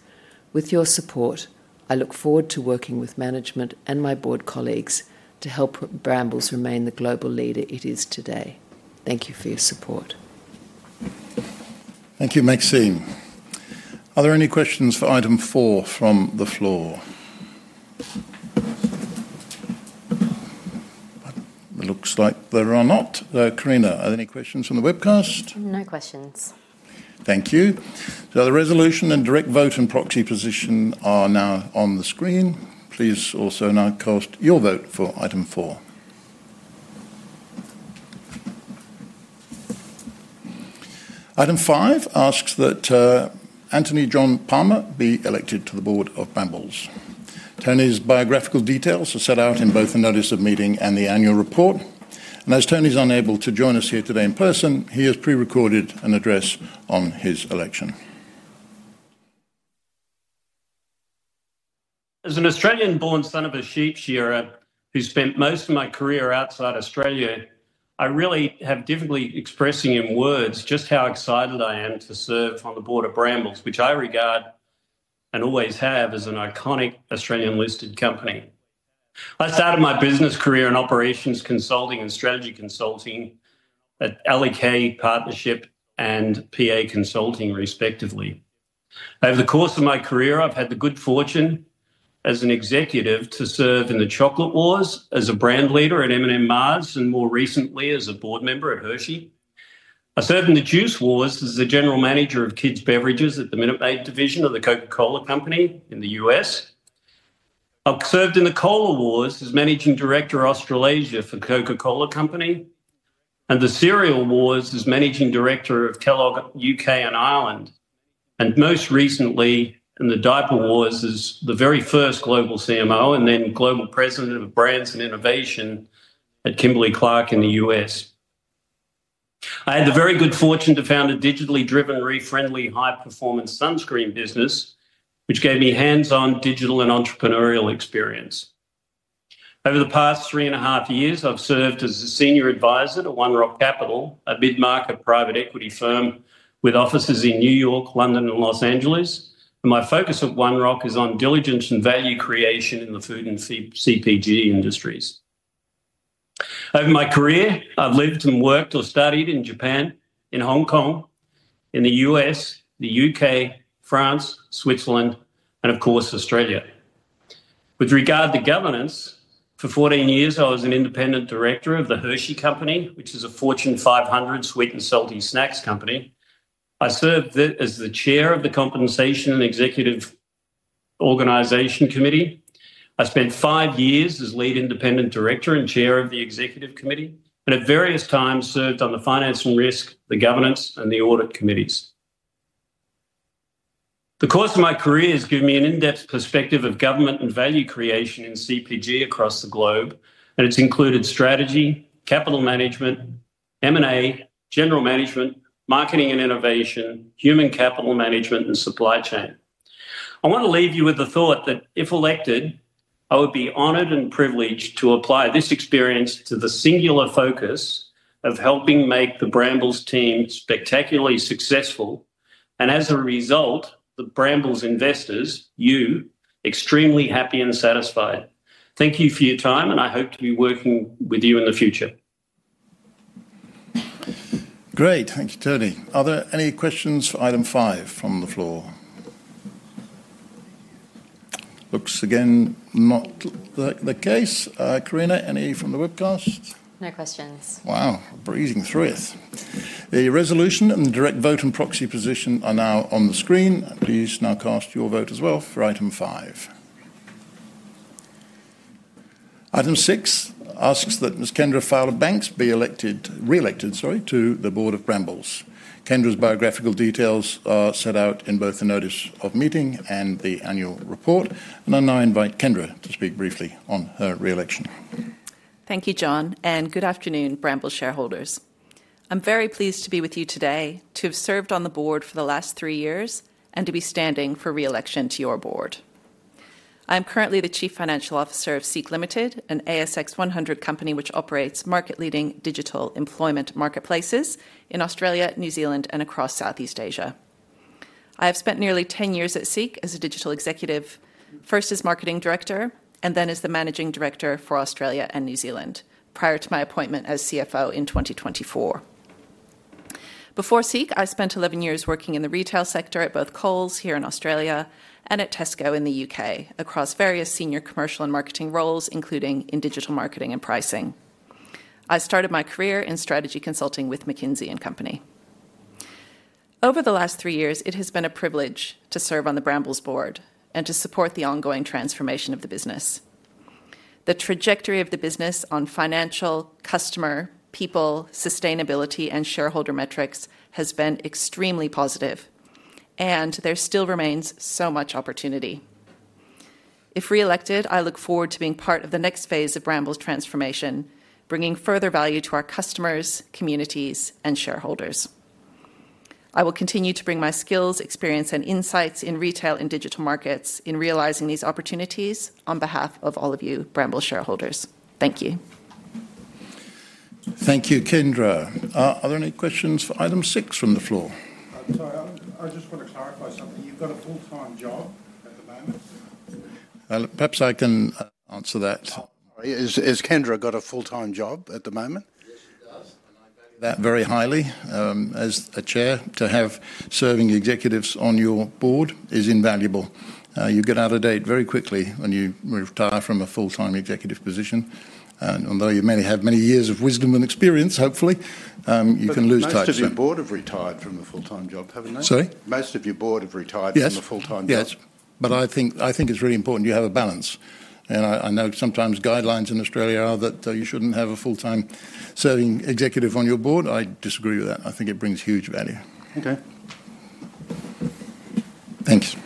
S2: With your support, I look forward to working with management and my board colleagues to help Brambles remain the global leader it is today. Thank you for your support.
S1: Thank you, Maxine. Are there any questions for item four from the floor? It looks like there are not. Carina, are there any questions from the webcast?
S3: No questions.
S1: Thank you. The resolution and direct vote and proxy position are now on the screen. Please also now cast your vote for item four. Item five asks that Anthony John Palmer be elected to the board of Brambles. Tony's biographical details are set out in both the notice of meeting and the annual report. As Tony's unable to join us here today in person, he has pre-recorded an address on his election.
S6: As an Australian-born son of a sheep shearer who spent most of my career outside Australia, I really have difficulty expressing in words just how excited I am to serve on the board of Brambles, which I regard and always have as an iconic Australian-listed company. I started my business career in operations consulting and strategy consulting at Partnership and PA Consulting, respectively. Over the course of my career, I've had the good fortune as an executive to serve in the Chocolate Wars as a brand leader at M&M Mars and more recently as a board member at Hershey. I served in the Juice Wars as the General Manager of Kids Beverages at the Minute Maid Division of the Coca-Cola Company in the U.S. I've served in the Cola Wars as Managing Director of Australasia for Coca-Cola Company and the Cereal Wars as Managing Director of Kellogg UK and Ireland and most recently in the Diaper Wars as the very first Global CMO and then Global President of Brands and Innovation at Kimberly-Clark in the U.S. I had the very good fortune to found a digitally driven, eco-friendly, high-performance sunscreen business, which gave me hands-on digital and entrepreneurial experience. Over the past three and a half years, I've served as a Senior Advisor to One Rock Capital, a mid-market private equity firm with offices in New York, London, and Los Angeles. My focus at One Rock is on diligence and value creation in the food and CPG industries. Over my career, I've lived and worked or studied in Japan, in Hong Kong, in the U.S., the U.K., France, Switzerland, and of course Australia. With regard to governance, for 14 years I was an Independent Director of the Hershey Company, which is a Fortune 500 sweet and salty snacks company. I served as the Chair of the Compensation and Executive Organization Committee. I spent five years as Lead Independent Director and Chair of the Executive Committee and at various times served on the Finance and Risk, the Governance, and the Audit Committees. The course of my career has given me an in-depth perspective of governance and value creation in CPG across the globe, and it's included strategy, capital management, M&A, general management, marketing and innovation, human capital management, and supply chain. I want to leave you with the thought that if elected, I would be honored and privileged to apply this experience to the singular focus of helping make the Brambles team spectacularly successful and as a result, the Brambles investors, you, extremely happy and satisfied. Thank you for your time, and I hope to be working with you in the future.
S1: Great. Thank you, Tony. Are there any questions for item five from the floor? Looks again not the case. Carina, any from the webcast?
S3: No questions.
S1: Wow, breezing through it. The resolution and the direct vote and proxy position are now on the screen. Please now cast your vote as well for item five. Item six asks that Ms. Kendra Banks be re-elected to the board of Brambles. Kendra's biographical details are set out in both the notice of meeting and the annual report, and I now invite Kendra to speak briefly on her re-election.
S7: Thank you, John, and good afternoon, Brambles shareholders. I'm very pleased to be with you today, to have served on the board for the last three years, and to be standing for re-election to your board. I am currently the Chief Financial Officer of Seek Limited, an ASX 100 company which operates market-leading digital employment marketplaces in Australia, New Zealand, and across Southeast Asia. I have spent nearly 10 years at Seek as a digital executive, first as Marketing Director, and then as the Managing Director for Australia and New Zealand, prior to my appointment as CFO in 2024. Before Seek, I spent 11 years working in the retail sector at both Coles here in Australia and at Tesco in the U.K., across various senior commercial and marketing roles, including in digital marketing and pricing. I started my career in strategy consulting with McKinsey & Company. Over the last three years, it has been a privilege to serve on the Brambles board and to support the ongoing transformation of the business. The trajectory of the business on financial, customer, people, sustainability, and shareholder metrics has been extremely positive, and there still remains so much opportunity. If re-elected, I look forward to being part of the next phase of Brambles transformation, bringing further value to our customers, communities, and shareholders. I will continue to bring my skills, experience, and insights in retail and digital markets in realizing these opportunities on behalf of all of you Brambles shareholders. Thank you.
S1: Thank you, Kendra. Are there any questions for item six from the floor?
S4: Sorry, I just want to clarify something. You've got a full-time job at the moment?
S1: Perhaps I can answer that.
S4: Oh, sorry.
S1: Has Kendra got a full-time job at the moment?
S4: Yes, she does, and I value that very highly.
S1: As a Chair, to have serving executives on your board is invaluable. You get out of date very quickly when you retire from a full-time executive position. Although you may have many years of wisdom and experience, hopefully, you can lose titles.
S4: Most of your board have retired from a full-time job, haven't they?
S1: Sorry?
S4: Most of your board have retired from a full-time job.
S1: Yes, I think it's really important you have a balance. I know sometimes guidelines in Australia are that you shouldn't have a full-time serving executive on your board. I disagree with that. I think it brings huge value.
S4: Okay.
S1: Thanks.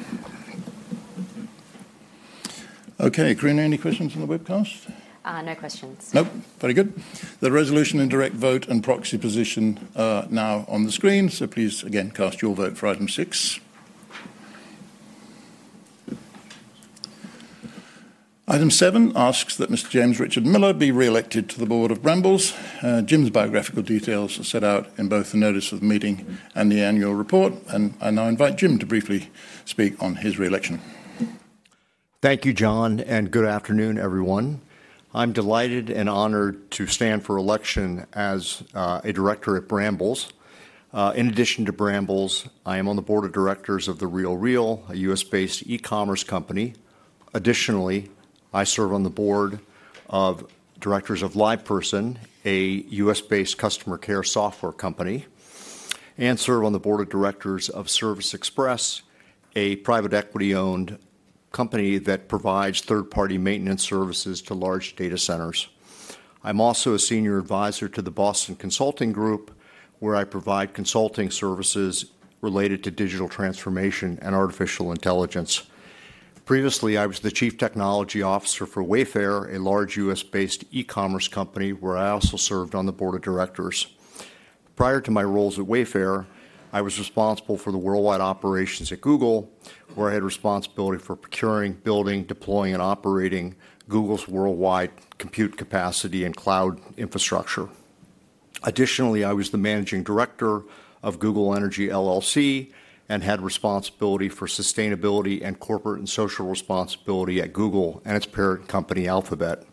S1: Okay, Carina, any questions on the webcast?
S3: No questions.
S1: Nope, very good. The resolution and direct vote and proxy position are now on the screen, so please again cast your vote for item six. Item seven asks that Mr. James Richard Miller be re-elected to the board of Brambles. Jim's biographical details are set out in both the notice of meeting and the annual report, and I now invite Jim to briefly speak on his re-election.
S8: Thank you, John, and good afternoon, everyone. I'm delighted and honored to stand for election as a director at Brambles. In addition to Brambles, I am on the board of directors of The RealReal, a U.S.-based e-commerce company. Additionally, I serve on the board of directors of LivePerson, a U.S.-based customer care software company, and serve on the board of directors of Service Express, a private equity-owned company that provides third-party maintenance services to large data centers. I'm also a Senior Advisor to the Boston Consulting Group, where I provide consulting services related to digital transformation and artificial intelligence. Previously, I was the Chief Technology Officer for Wayfair, a large U.S.-based e-commerce company, where I also served on the board of directors. Prior to my roles at Wayfair, I was responsible for the worldwide operations at Google, where I had responsibility for procuring, building, deploying, and operating Google's worldwide compute capacity and cloud infrastructure. Additionally, I was the Managing Director of Google Energy LLC and had responsibility for sustainability and corporate and social responsibility at Google and its parent company, Alphabet.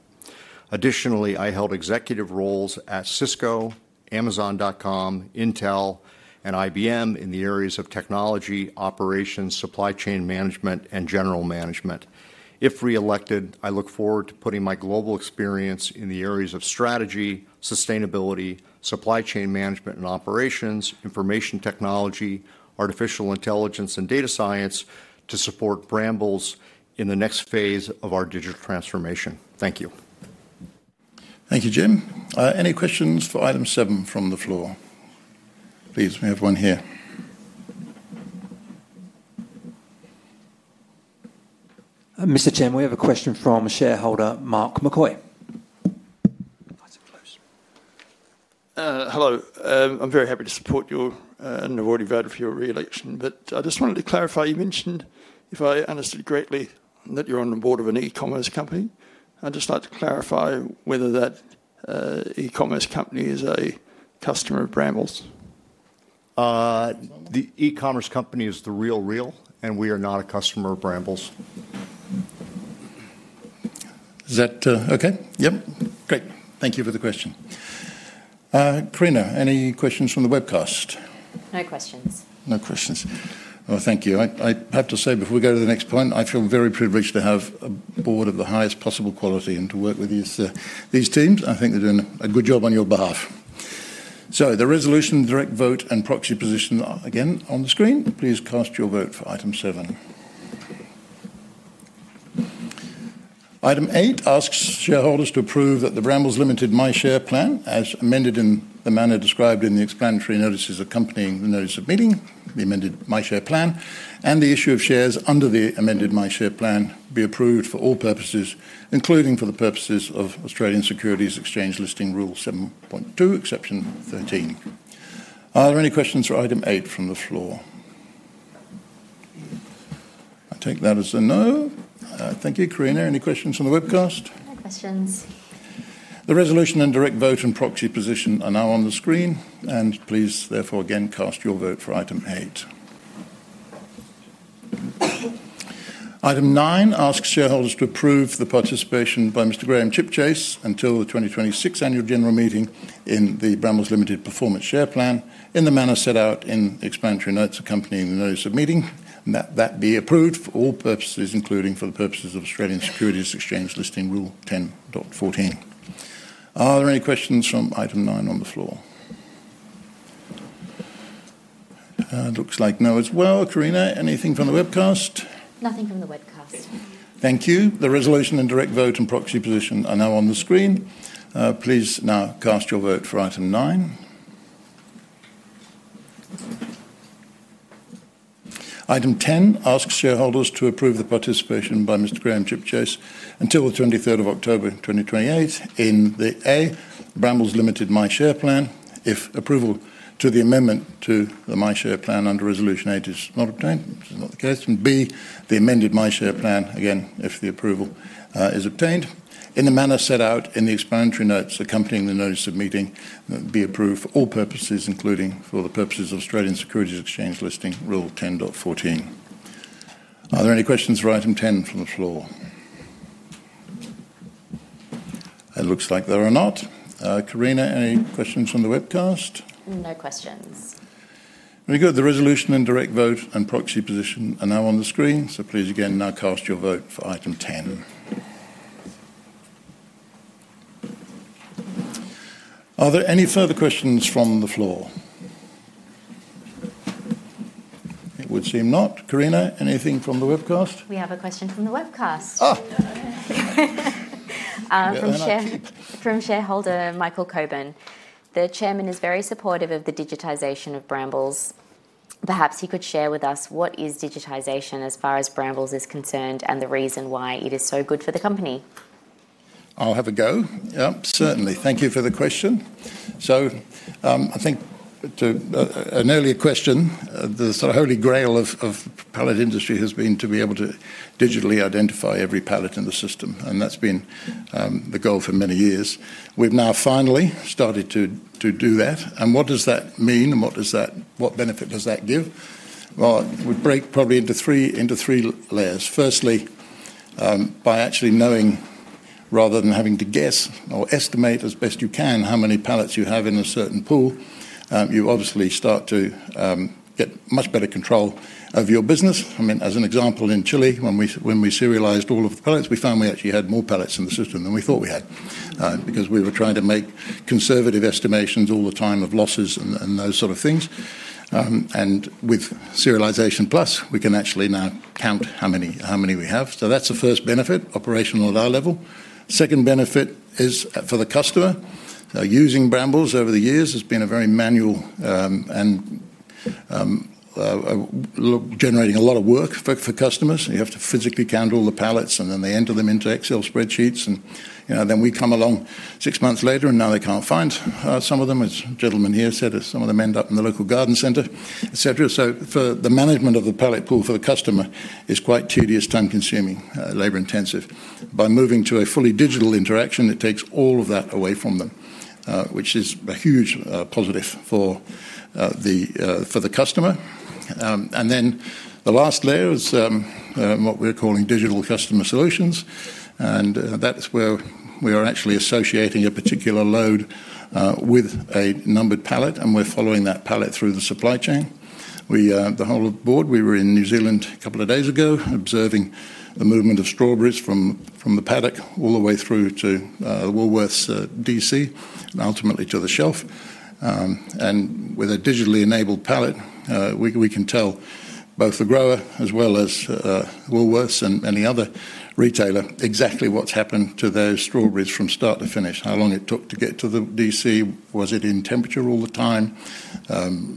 S8: Additionally, I held executive roles at Cisco, Amazon.com, Intel, and IBM in the areas of technology, operations, supply chain management, and general management. If re-elected, I look forward to putting my global experience in the areas of strategy, sustainability, supply chain management and operations, information technology, artificial intelligence, and data science to support Brambles in the next phase of our digital transformation. Thank you.
S1: Thank you, Jim. Any questions for item seven from the floor? Please, we have one here.
S3: Mr. Chairman, we have a question from shareholder Mark McCoy. That's a close.
S9: Hello. I'm very happy to support you, and I've already voted for your re-election, but I just wanted to clarify. You mentioned, if I understood correctly, that you're on the board of an e-commerce company. I'd just like to clarify whether that e-commerce company is a customer of Brambles.
S1: The e-commerce company is The RealReal, and we are not a customer of Brambles. Is that okay?
S9: Yep. Great.
S1: Thank you for the question. Carina, any questions from the webcast?
S3: No questions.
S1: No questions. Oh, thank you. I have to say, before we go to the next point, I feel very privileged to have a board of the highest possible quality and to work with these teams. I think they're doing a good job on your behalf. The resolution, direct vote, and proxy position are again on the screen. Please cast your vote for item seven. Item eight asks shareholders to approve that the Brambles Limited MyShare Plan, as amended in the manner described in the explanatory notices accompanying the notice of meeting, the amended MyShare Plan, and the issue of shares under the amended MyShare Plan be approved for all purposes, including for the purposes of Australian Securities Exchange Listing Rule 7.2, Exception 13. Are there any questions for item eight from the floor? I take that as a no. Thank you, Carina. Any questions from the webcast?
S3: No questions.
S1: The resolution and direct vote and proxy position are now on the screen, and please therefore again cast your vote for item eight. Item nine asks shareholders to approve the participation by Mr. Graham Chipchase until the 2026 Annual General Meeting in the Brambles Limited Performance Share Plan in the manner set out in the explanatory notes accompanying the notice of meeting. That be approved for all purposes, including for the purposes of Australian Securities Exchange Listing Rule 10.14. Are there any questions from item nine on the floor? Looks like no as well. Carina, anything from the webcast?
S3: Nothing from the webcast.
S1: Thank you. The resolution and direct vote and proxy position are now on the screen. Please now cast your vote for item nine. Item 10 asks shareholders to approve the participation by Mr. Graham Chipchase until the 23rd of October 2028 in the A. Brambles Limited MyShare Plan if approval to the amendment to the MyShare Plan under Resolution 8 is not obtained, which is not the case, and B. the amended MyShare Plan again if the approval is obtained in the manner set out in the explanatory notes accompanying the notice of meeting be approved for all purposes, including for the purposes of Australian Securities Exchange Listing Rule 10.14. Are there any questions for item 10 from the floor? It looks like there are not. Carina, any questions from the webcast?
S3: No questions.
S1: Very good. The resolution and direct vote and proxy position are now on the screen, so please again now cast your vote for item 10. Are there any further questions from the floor? It would seem not. Carina, anything from the webcast?
S3: We have a question from the webcast from shareholder Michael Cowan. The Chairman is very supportive of the digitization of Brambles. Perhaps he could share with us what is digitization as far as Brambles is concerned, and the reason why it is so good for the company.
S1: I'll have a go. Yeah, certainly. Thank you for the question. I think to an earlier question, the sort of holy grail of the pallet industry has been to be able to digitally identify every pallet in the system, and that's been the goal for many years. We've now finally started to do that. What does that mean and what benefit does that give? It would break probably into three layers. Firstly, by actually knowing, rather than having to guess or estimate as best you can how many pallets you have in a certain pool, you obviously start to get much better control of your business. As an example, in Chile, when we serialized all of the pallets, we found we actually had more pallets in the system than we thought we had because we were trying to make conservative estimations all the time of losses and those sort of things. With the Serialization Plus program, we can actually now count how many we have. That's the first benefit, operational at our level. The second benefit is for the customer. Using Brambles over the years has been very manual and generated a lot of work for customers. You have to physically count all the pallets, and then they enter them into Excel spreadsheets, and then we come along six months later, and now they can't find some of them, as a gentleman here said, as some of them end up in the local garden center, etc. For the management of the pallet pool for the customer, it's quite tedious, time-consuming, labor-intensive. By moving to a fully digital interaction, it takes all of that away from them, which is a huge positive for the customer. The last layer is what we're calling digital customer solutions, and that's where we are actually associating a particular load with a numbered pallet, and we're following that pallet through the supply chain. The whole board, we were in New Zealand a couple of days ago observing the movement of strawberries from the paddock all the way through to Woolworths DC and ultimately to the shelf. With a digitally enabled pallet, we can tell both the grower as well as Woolworths and any other retailer exactly what's happened to those strawberries from start to finish, how long it took to get to the DC, was it in temperature all the time,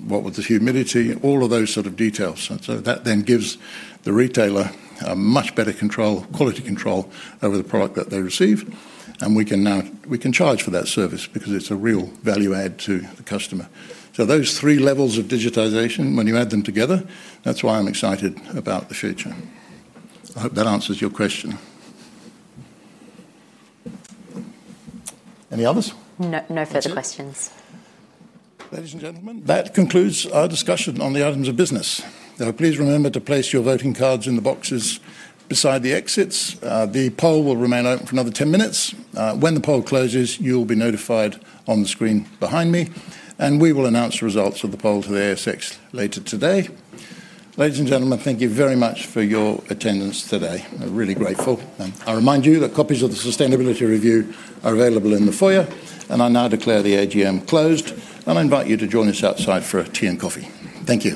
S1: what was the humidity, all of those sort of details. That then gives the retailer much better control, quality control over the product that they receive, and we can charge for that service because it's a real value add to the customer. Those three levels of digitization, when you add them together, that's why I'm excited about the future. I hope that answers your question. Any others?
S3: No, no further questions.
S1: Ladies and gentlemen, that concludes our discussion on the items of business. Please remember to place your voting cards in the boxes beside the exits. The poll will remain open for another 10 minutes. When the poll closes, you will be notified on the screen behind me, and we will announce the results of the poll to the ASX later today. Ladies and gentlemen, thank you very much for your attendance today. We're really grateful. I remind you that copies of the Sustainability Review are available in the foyer, and I now declare the AGM closed. I invite you to join us outside for tea and coffee. Thank you.